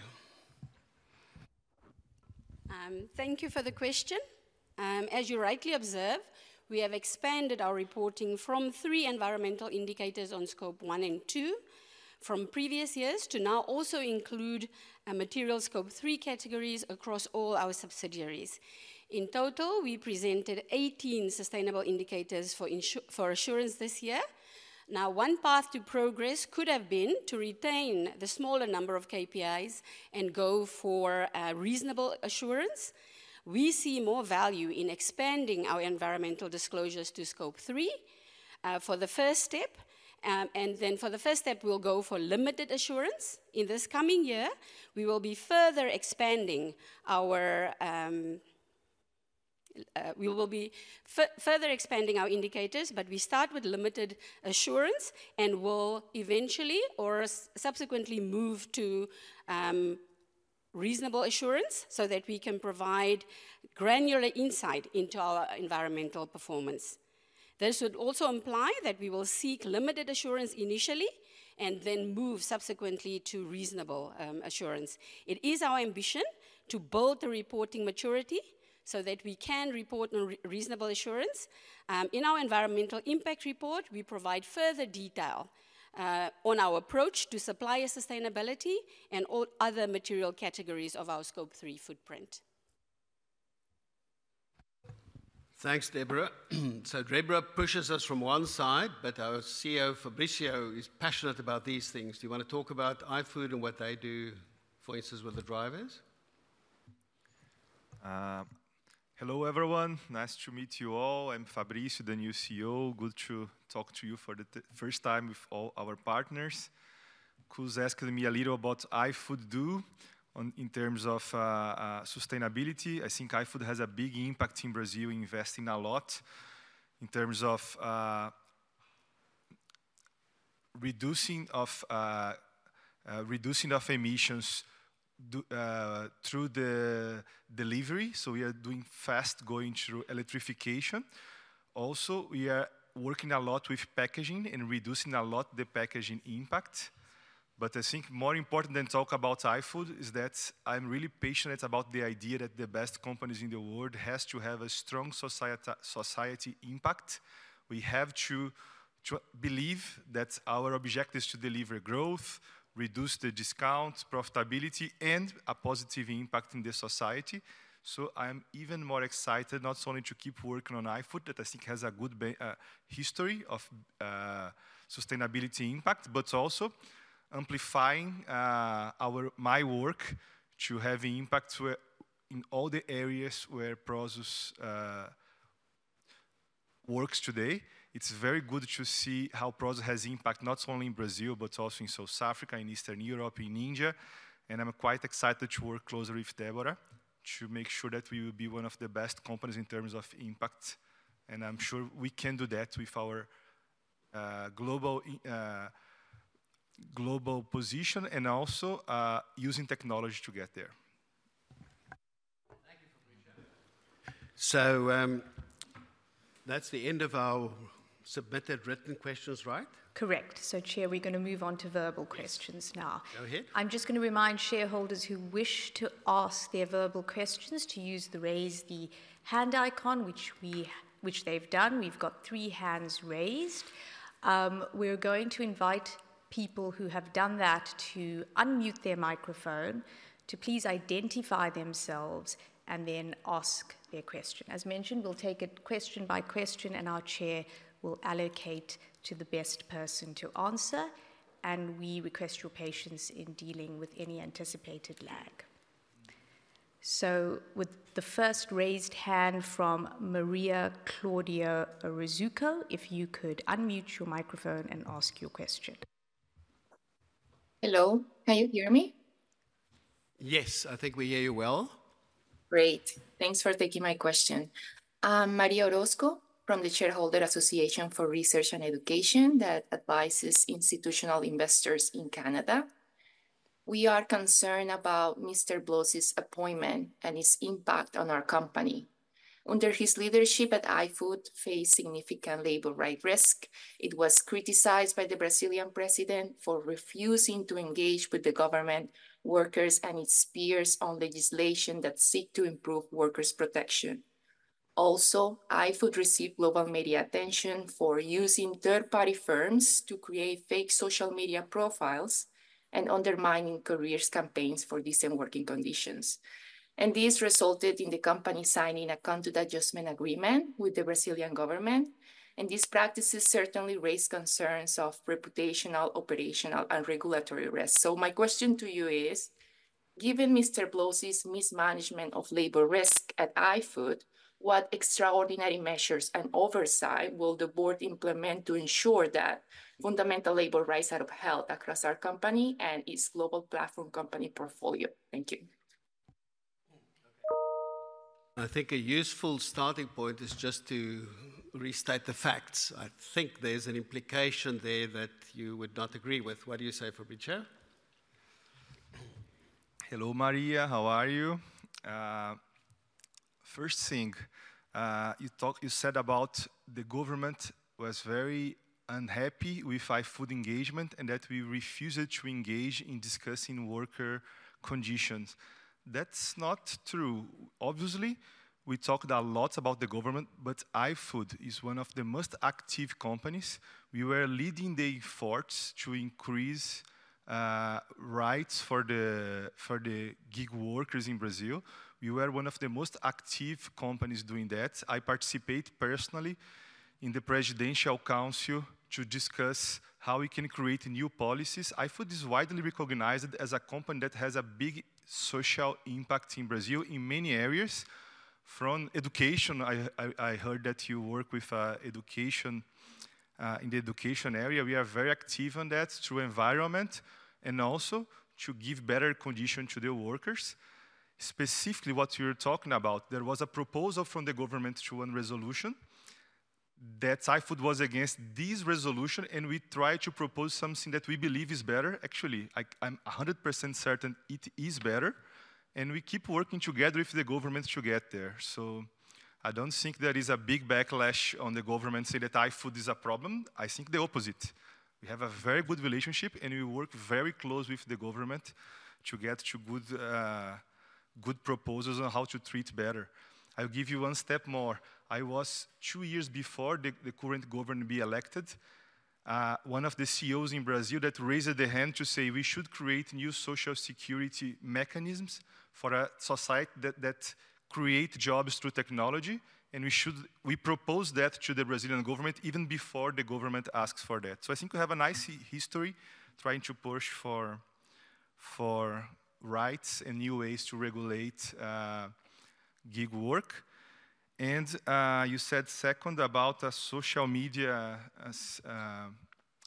Thank you for the question. As you rightly observe, we have expanded our reporting from three environmental indicators on Scope 1 and 2 from previous years to now also include material Scope 3 categories across all our subsidiaries. In total, we presented 18 sustainable indicators for assurance this year. Now, one path to progress could have been to retain the smaller number of KPIs and go for reasonable assurance. We see more value in expanding our environmental disclosures to Scope 3 for the first step, and then for the first step, we'll go for limited assurance. In this coming year, we will be further expanding our indicators, but we start with limited assurance and will eventually or subsequently move to reasonable assurance, so that we can provide granular insight into our environmental performance. This would also imply that we will seek limited assurance initially, and then move subsequently to reasonable assurance. It is our ambition to build the reporting maturity so that we can report on reasonable assurance. In our environmental impact report, we provide further detail on our approach to supplier sustainability and all other material categories of our Scope 3 footprint. Thanks, Debra. So Debra pushes us from one side, but our CEO, Fabrício, is passionate about these things. Do you wanna talk about iFood and what they do, for instance, with the drivers? Hello, everyone. Nice to meet you all. I'm Fabrício, the new CEO. Good to talk to you for the first time with all our partners. Koos asking me a little about iFood down, in terms of sustainability. I think iFood has a big impact in Brazil, investing a lot in terms of reducing of emissions through the delivery. So we are doing fast, going through electrification. Also, we are working a lot with packaging and reducing a lot the packaging impact. But I think more important than talk about iFood, is that I'm really passionate about the idea that the best companies in the world has to have a strong societal impact. We have to believe that our objective is to deliver growth, reduce the discount, profitability, and a positive impact in the society. I'm even more excited, not only to keep working on iFood, that I think has a good history of sustainability impact, but also amplifying our my work to have impact where, in all the areas where Prosus works today. It's very good to see how Prosus has impact, not only in Brazil, but also in South Africa, in Eastern Europe, in India, and I'm quite excited to work closer with Debra, to make sure that we will be one of the best companies in terms of impact, and I'm sure we can do that with our global position, and also using technology to get there. Thank you, Fabrício. That's the end of our submitted written questions, right? Correct. So Chair, we're gonna move on to verbal questions now. Yes. Go ahead. I'm just gonna remind shareholders who wish to ask their verbal questions to use the raise-hand icon, which they've done. We've got three hands raised. We're going to invite people who have done that to unmute their microphone, to please identify themselves, and then ask their question. As mentioned, we'll take it question by question, and our chair will allocate to the best person to answer, and we request your patience in dealing with any anticipated lag, so with the first raised hand from Maria Claudia Orozco, if you could unmute your microphone and ask your question. Hello, can you hear me? Yes, I think we hear you well. Great. Thanks for taking my question. I'm Maria Orozco from the Shareholder Association for Research and Education that advises institutional investors in Canada. We are concerned about Mr. Bloisi's appointment and his impact on our company. Under his leadership at iFood, faced significant labor rights risk. It was criticized by the Brazilian president for refusing to engage with the government workers and its peers on legislation that seek to improve workers' protection. Also, iFood received global media attention for using third-party firms to create fake social media profiles and undermining careers, campaigns for decent working conditions, and this resulted in the company signing a conduct adjustment agreement with the Brazilian government, and these practices certainly raise concerns of reputational, operational, and regulatory risk, so my question to you is: given Mr. Bloisi's mismanagement of labor risk at iFood, what extraordinary measures and oversight will the board implement to ensure that fundamental labor rights are upheld across our company and its global platform company portfolio? Thank you. Okay. I think a useful starting point is just to restate the facts. I think there's an implication there that you would not agree with. What do you say, Fabrício? Hello, Maria, how are you? First thing, you said about the government was very unhappy with iFood engagement, and that we refused to engage in discussing worker conditions. That's not true. Obviously, we talked a lot about the government, but iFood is one of the most active companies. We were leading the efforts to increase rights for the gig workers in Brazil. We were one of the most active companies doing that. I participate personally in the Presidential Council to discuss how we can create new policies. iFood is widely recognized as a company that has a big social impact in Brazil in many areas, from education. I heard that you work with education in the education area. We are very active on that, through environment, and also to give better condition to the workers. Specifically, what you're talking about, there was a proposal from the government to one resolution that iFood was against this resolution, and we try to propose something that we believe is better. Actually, I, I'm 100% certain it is better, and we keep working together with the government to get there. So I don't think there is a big backlash on the government saying that iFood is a problem. I think the opposite. We have a very good relationship, and we work very close with the government to get to good proposals on how to treat better. I'll give you one step more. I was two years before the current government be elected one of the CEOs in Brazil that raised their hand to say we should create new social security mechanisms for a society that create jobs through technology, and we propose that to the Brazilian government even before the government asks for that. So I think we have a nice history trying to push for rights and new ways to regulate gig work. And you said second about a social media as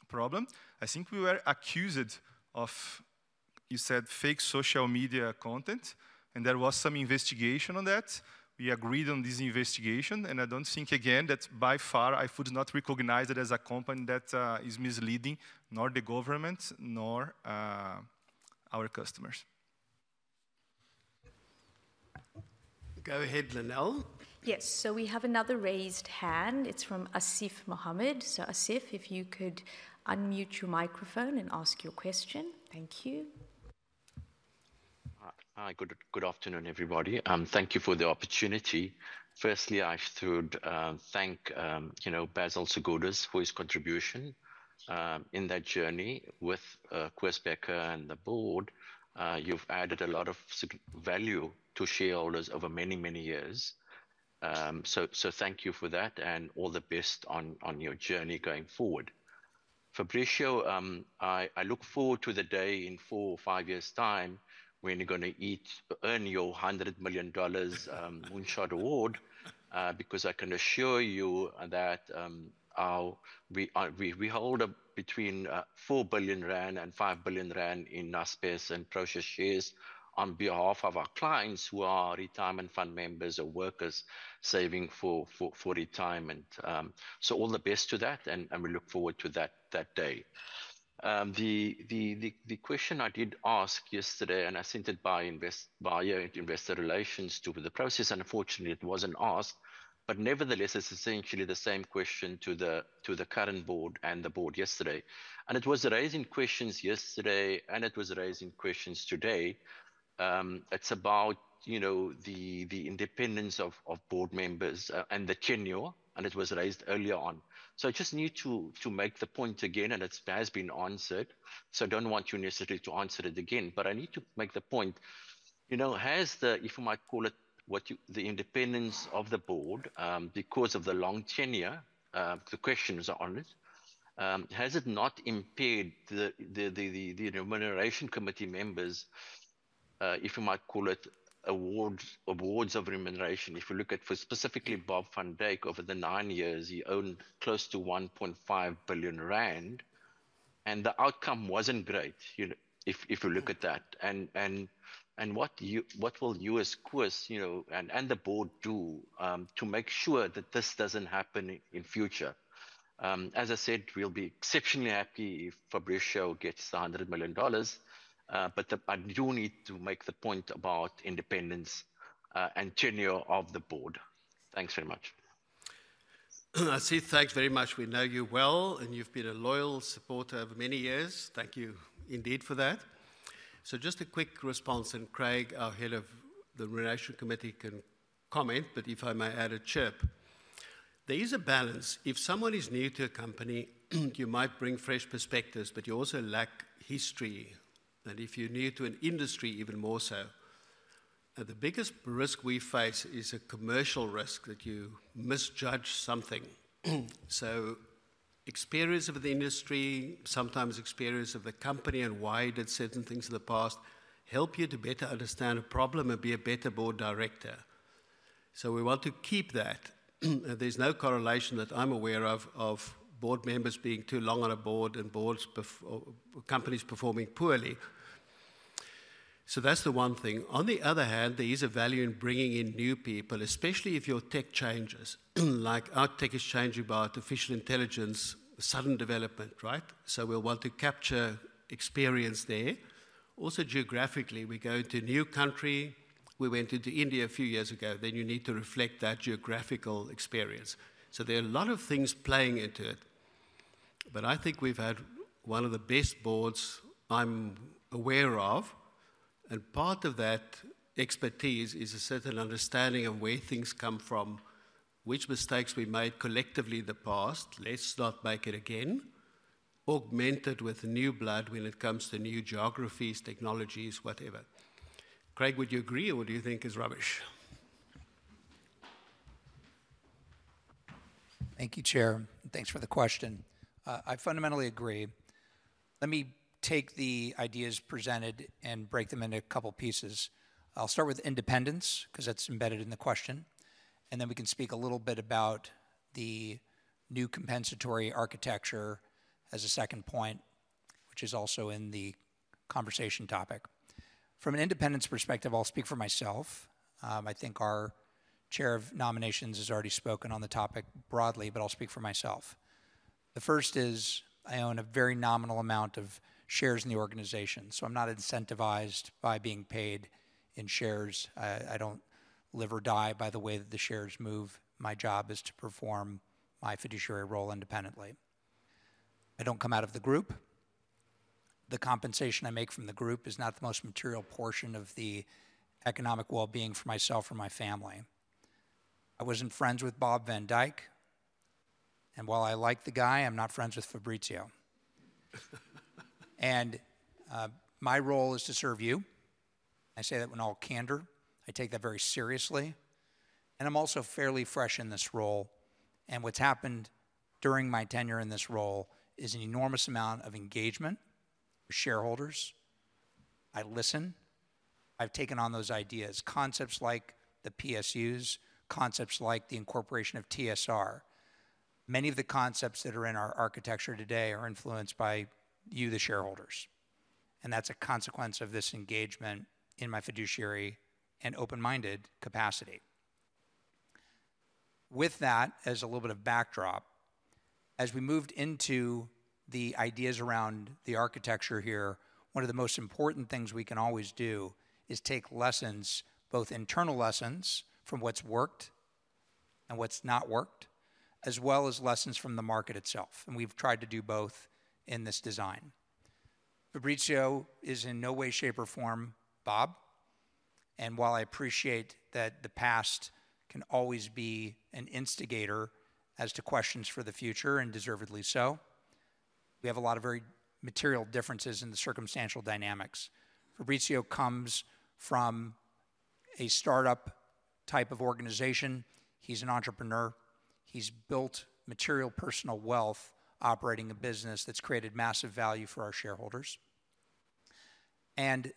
problem. I think we were accused of you said fake social media content, and there was some investigation on that. We agreed on this investigation, and I don't think again that by far iFood does not recognized it as a company that is misleading, nor the government nor our customers. Go ahead, Lynelle. Yes. So we have another raised hand. It's from Asief Mohamed. So, Asief, if you could unmute your microphone and ask your question. Thank you. Hi. Hi, good afternoon, everybody, thank you for the opportunity. Firstly, I should thank, you know, Basil Sgourdos, for his contribution in that journey with Koos Bekker and the board. You've added a lot of value to shareholders over many, many years. So thank you for that, and all the best on your journey going forward. Fabrício, I look forward to the day in four or five years' time when you're gonna each earn your $100 million Moonshot Award, because I can assure you that we hold between 4 billion rand and 5 billion rand in Naspers and Prosus shares on behalf of our clients, who are retirement fund members or workers saving for retirement. So all the best to that, and we look forward to that day. The question I did ask yesterday, and I sent it via investor relations to Prosus. Unfortunately, it wasn't asked, but nevertheless, it's essentially the same question to the current board and the board yesterday. It was raising questions yesterday, and it was raising questions today. It's about, you know, the independence of board members, and the tenure, and it was raised earlier on. So I just need to make the point again, and it has been answered, so I don't want you necessarily to answer it again. But I need to make the point, you know, has the, if you might call it the independence of the board, because of the long tenure, the question is on it, has it not impaired the remuneration committee members, if you might call it awards of remuneration? If you look at for specifically Bob van Dijk, over the nine years, he owned close to 1.5 billion rand, and the outcome wasn't great, you know, if you look at that. And what will you as Koos, you know, and the board do to make sure that this doesn't happen in future? As I said, we'll be exceptionally happy if Fabrício gets the $100 million, but I do need to make the point about independence and tenure of the board. Thanks very much. Asief, thanks very much. We know you well, and you've been a loyal supporter over many years. Thank you indeed for that. So just a quick response, and Craig, our head of the Remuneration Committee, can comment, but if I may add a chirp. There is a balance. If someone is new to a company, you might bring fresh perspectives, but you also lack history, and if you're new to an industry, even more so. The biggest risk we face is a commercial risk, that you misjudge something. So experience of the industry, sometimes experience of the company and why it did certain things in the past, help you to better understand a problem and be a better board director. So we want to keep that. There's no correlation that I'm aware of, of board members being too long on a board and boards or companies performing poorly. So that's the one thing. On the other hand, there is a value in bringing in new people, especially if your tech changes, like our tech is changing by artificial intelligence, sudden development, right? So we'll want to capture experience there. Also, geographically, we go into a new country. We went into India a few years ago. Then you need to reflect that geographical experience. So there are a lot of things playing into it, but I think we've had one of the best boards I'm aware of, and part of that expertise is a certain understanding of where things come from, which mistakes we made collectively in the past, let's not make it again. Augmented with new blood when it comes to new geographies, technologies, whatever. Craig, would you agree, or do you think it's rubbish? Thank you, Chair, and thanks for the question. I fundamentally agree. Let me take the ideas presented and break them into a couple pieces. I'll start with independence, 'cause that's embedded in the question, and then we can speak a little bit about the new compensatory architecture as a second point.... which is also in the conversation topic. From an independence perspective, I'll speak for myself. I think our chair of nominations has already spoken on the topic broadly, but I'll speak for myself. The first is, I own a very nominal amount of shares in the organization, so I'm not incentivized by being paid in shares. I, I don't live or die by the way that the shares move. My job is to perform my fiduciary role independently. I don't come out of the group. The compensation I make from the group is not the most material portion of the economic well-being for myself or my family. I wasn't friends with Bob van Dijk, and while I like the guy, I'm not friends with Fabrício, and my role is to serve you. I say that in all candor. I take that very seriously, and I'm also fairly fresh in this role, and what's happened during my tenure in this role is an enormous amount of engagement with shareholders. I listen. I've taken on those ideas, concepts like the PSUs, concepts like the incorporation of TSR. Many of the concepts that are in our architecture today are influenced by you, the shareholders, and that's a consequence of this engagement in my fiduciary and open-minded capacity. With that, as a little bit of backdrop, as we moved into the ideas around the architecture here, one of the most important things we can always do is take lessons, both internal lessons from what's worked and what's not worked, as well as lessons from the market itself, and we've tried to do both in this design. Fabrício is in no way, shape, or form Bob, and while I appreciate that the past can always be an instigator as to questions for the future, and deservedly so, we have a lot of very material differences in the circumstantial dynamics. Fabrício comes from a startup type of organization. He's an entrepreneur. He's built material personal wealth, operating a business that's created massive value for our shareholders, and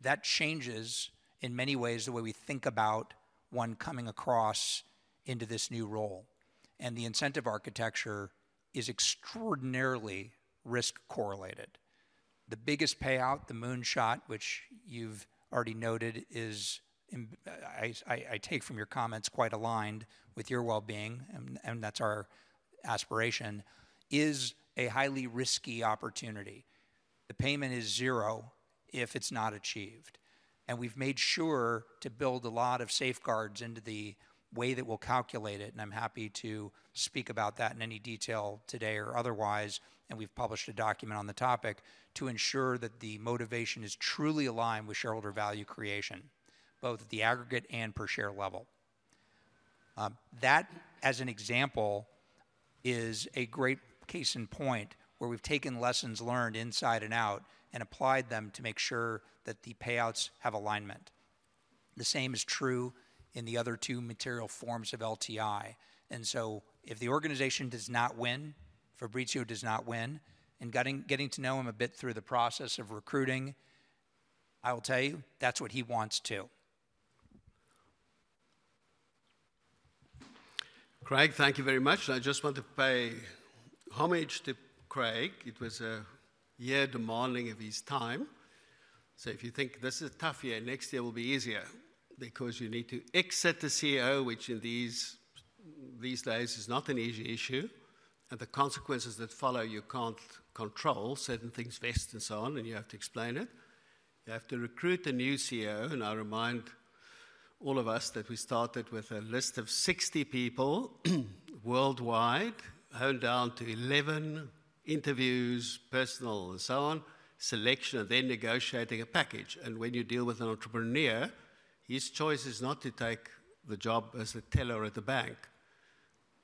that changes, in many ways, the way we think about one coming across into this new role, and the incentive architecture is extraordinarily risk-correlated. The biggest payout, the moonshot, which you've already noted, is in, I take from your comments, quite aligned with your well-being, and, and that's our aspiration, is a highly risky opportunity. The payment is zero if it's not achieved, and we've made sure to build a lot of safeguards into the way that we'll calculate it, and I'm happy to speak about that in any detail today or otherwise, and we've published a document on the topic to ensure that the motivation is truly aligned with shareholder value creation, both at the aggregate and per share level. That, as an example, is a great case in point, where we've taken lessons learned inside and out and applied them to make sure that the payouts have alignment. The same is true in the other two material forms of LTI. And so if the organization does not win, Fabrício does not win, and getting to know him a bit through the process of recruiting, I will tell you, that's what he wants, too. Craig, thank you very much. I just want to pay homage to Craig. It was a year demanding of his time. So if you think this is a tough year, next year will be easier because you need to exit the CEO, which in these, these days is not an easy issue, and the consequences that follow, you can't control. Certain things vest and so on, and you have to explain it. You have to recruit a new CEO, and I remind all of us that we started with a list of 60 people worldwide, honed down to 11 interviews, personal and so on, selection, and then negotiating a package. And when you deal with an entrepreneur, his choice is not to take the job as a teller at the bank.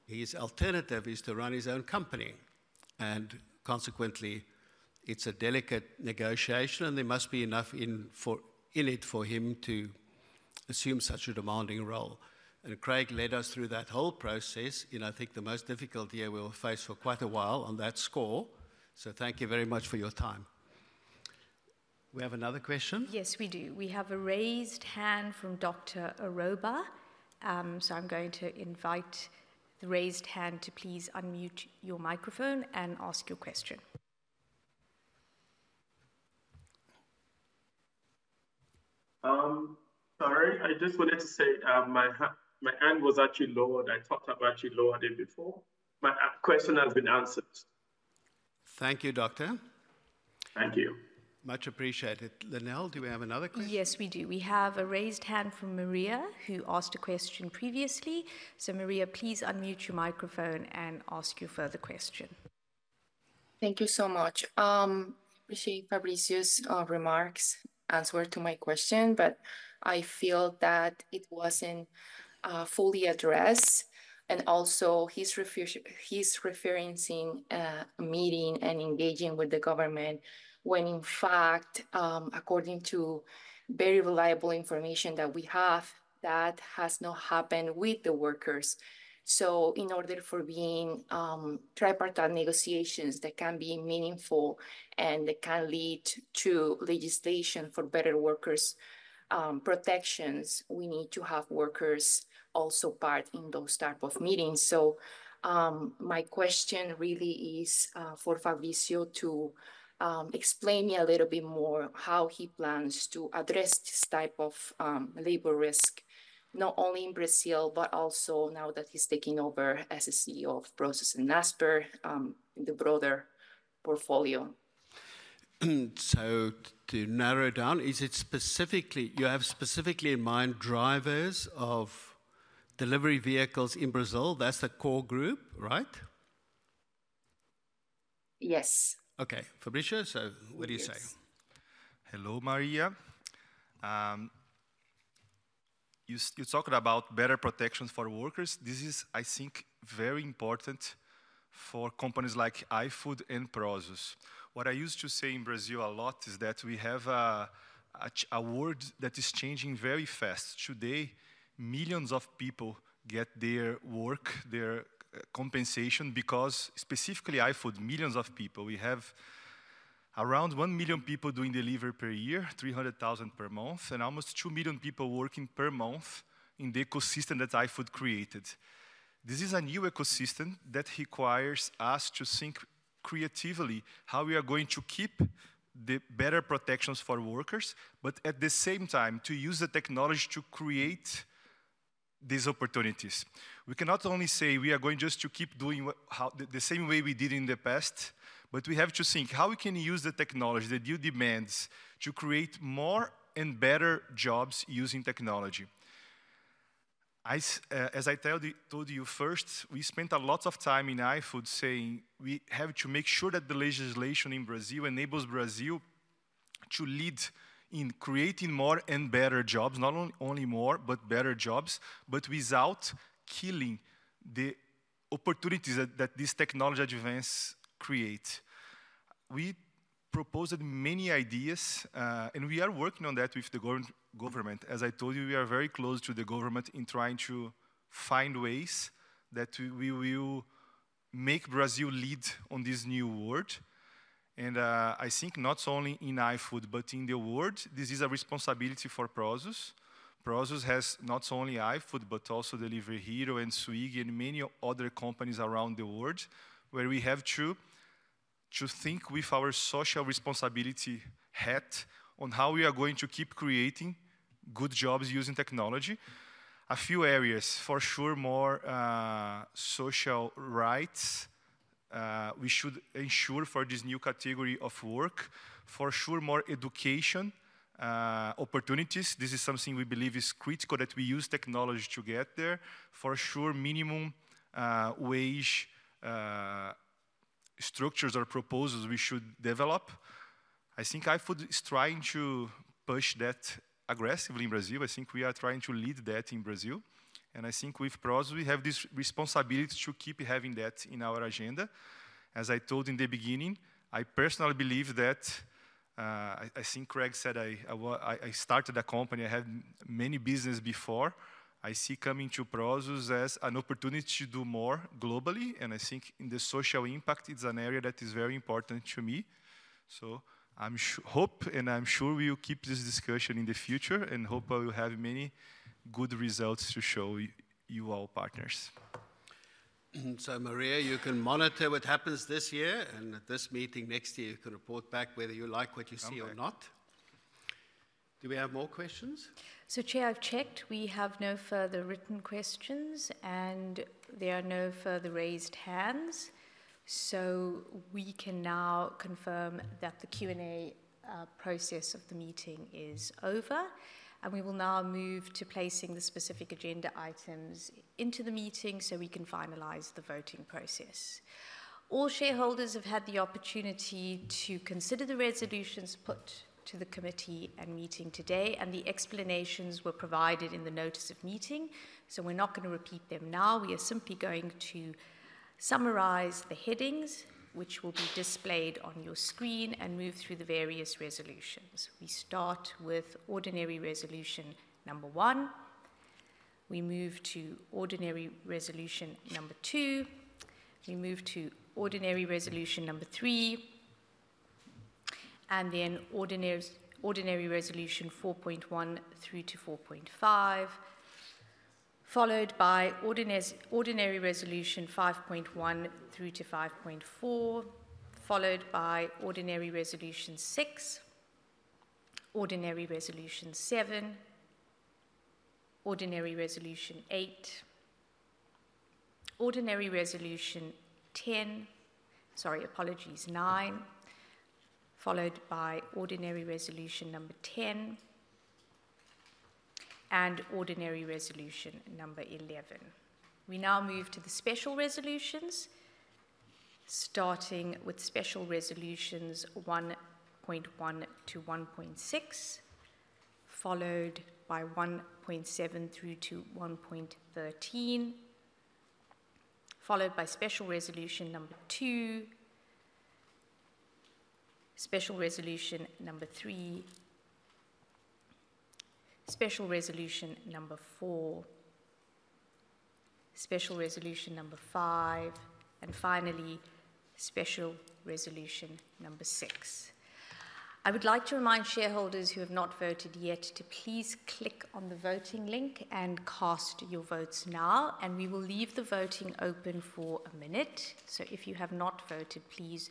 His alternative is to run his own company, and consequently, it's a delicate negotiation, and there must be enough in it for him to assume such a demanding role. And Craig led us through that whole process in, I think, the most difficult year we will face for quite a while on that score. So thank you very much for your time. We have another question? Yes, we do. We have a raised hand from Dr. Aroub. So, I'm going to invite the raised hand to please unmute your microphone and ask your question. Sorry, I just wanted to say, my hand was actually lowered. I thought I've actually lowered it before. My question has been answered. Thank you, Doctor. Thank you. Much appreciated. Lynelle, do we have another question? Yes, we do. We have a raised hand from Maria, who asked a question previously. So Maria, please unmute your microphone and ask your further question. Thank you so much. I appreciate Fabrício's remarks, answer to my question, but I feel that it wasn't fully addressed, and also, he's referencing a meeting and engaging with the government, when in fact, according to very reliable information that we have, that has not happened with the workers, so in order for being tripartite negotiations that can be meaningful and that can lead to legislation for better workers' protections, we need to have workers also part in those type of meetings, so my question really is for Fabrício to explain me a little bit more how he plans to address this type of labor risk, not only in Brazil, but also now that he's taking over as a CEO of Prosus and Naspers in the broader portfolio.... So to narrow it down, is it specifically, you have specifically in mind drivers of delivery vehicles in Brazil? That's the core group, right? Yes. Okay, Fabrício, so what do you say? Hello, Maria. You're talking about better protections for workers. This is, I think, very important for companies like iFood and Prosus. What I used to say in Brazil a lot is that we have a world that is changing very fast. Today, millions of people get their work, their compensation, because specifically iFood, millions of people. We have around one million people doing delivery per year, three hundred thousand per month, and almost two million people working per month in the ecosystem that iFood created. This is a new ecosystem that requires us to think creatively how we are going to keep the better protections for workers, but at the same time, to use the technology to create these opportunities. We cannot only say we are going just to keep doing what, how, the same way we did in the past, but we have to think how we can use the technology, the new demands, to create more and better jobs using technology. As I told you first, we spent a lot of time in iFood saying we have to make sure that the legislation in Brazil enables Brazil to lead in creating more and better jobs, not only more, but better jobs, but without killing the opportunities that this technology advance create. We proposed many ideas, and we are working on that with the government. As I told you, we are very close to the government in trying to find ways that we will make Brazil lead on this new world. I think not only in iFood, but in the world, this is a responsibility for Prosus. Prosus has not only iFood, but also Delivery Hero, and Swiggy, and many other companies around the world, where we have to think with our social responsibility hat on how we are going to keep creating good jobs using technology. A few areas, for sure, more social rights we should ensure for this new category of work. For sure, more education opportunities. This is something we believe is critical, that we use technology to get there. For sure, minimum wage structures or proposals we should develop. I think iFood is trying to push that aggressively in Brazil. I think we are trying to lead that in Brazil, and I think with Prosus, we have this responsibility to keep having that in our agenda. As I told in the beginning, I personally believe that I think Craig said I started a company. I had many business before. I see coming to Prosus as an opportunity to do more globally, and I think in the social impact, it's an area that is very important to me. So I hope, and I'm sure we will keep this discussion in the future, and hope I will have many good results to show you all partners. So, Maria, you can monitor what happens this year, and at this meeting next year, you can report back whether you like what you see or not. Okay. Do we have more questions? So, Chair, I've checked. We have no further written questions, and there are no further raised hands. So we can now confirm that the Q&A process of the meeting is over, and we will now move to placing the specific agenda items into the meeting so we can finalize the voting process. All shareholders have had the opportunity to consider the resolutions put to the committee and meeting today, and the explanations were provided in the notice of meeting, so we're not gonna repeat them now. We are simply going to summarize the headings, which will be displayed on your screen, and move through the various resolutions. We start with ordinary resolution number one. We move to ordinary resolution number two. We move to ordinary resolution number three, and then ordinary resolution four point one through to four point five, followed by ordinary resolution five point one through to five point four, followed by ordinary resolution six, ordinary resolution seven, ordinary resolution eight, ordinary resolution 10... Sorry, apologies, nine, followed by ordinary resolution number 10, and ordinary resolution number 11. We now move to the special resolutions, starting with special resolutions one point one to one point six, followed by one point seven through to one point 13, followed by special resolution number two, special resolution number three, special resolution number four, special resolution number five, and finally, special resolution number six. I would like to remind shareholders who have not voted yet to please click on the voting link and cast your votes now, and we will leave the voting open for a minute. So if you have not voted, please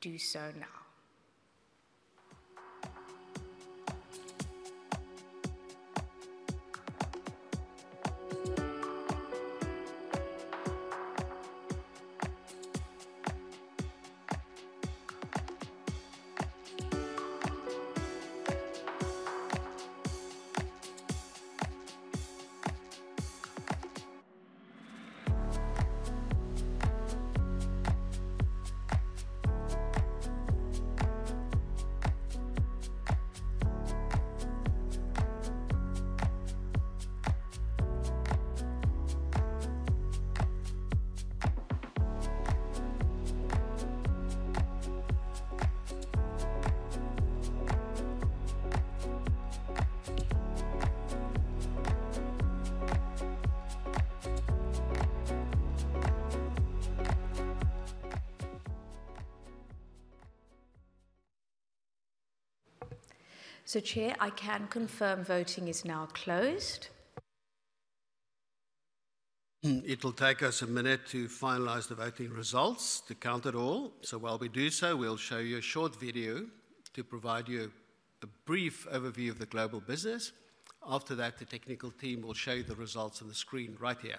do so now. So Chair, I can confirm voting is now closed. It'll take us a minute to finalize the voting results, to count it all. So while we do so, we'll show you a short video to provide you a brief overview of the global business. After that, the technical team will show you the results on the screen right here.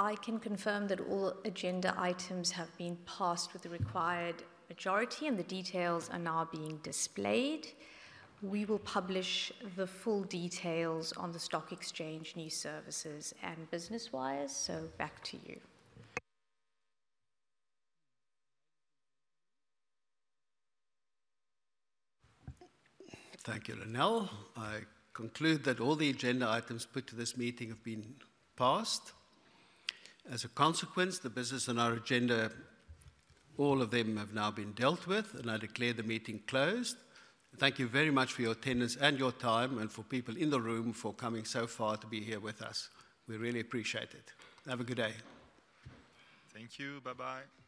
Chair, I can confirm that all agenda items have been passed with the required majority, and the details are now being displayed. We will publish the full details on the stock exchange, news services, and Business Wire. So back to you. Thank you, Lynelle. I conclude that all the agenda items put to this meeting have been passed. As a consequence, the business on our agenda, all of them have now been dealt with, and I declare the meeting closed. Thank you very much for your attendance and your time, and for people in the room for coming so far to be here with us. We really appreciate it. Have a good day. Thank you. Bye-bye.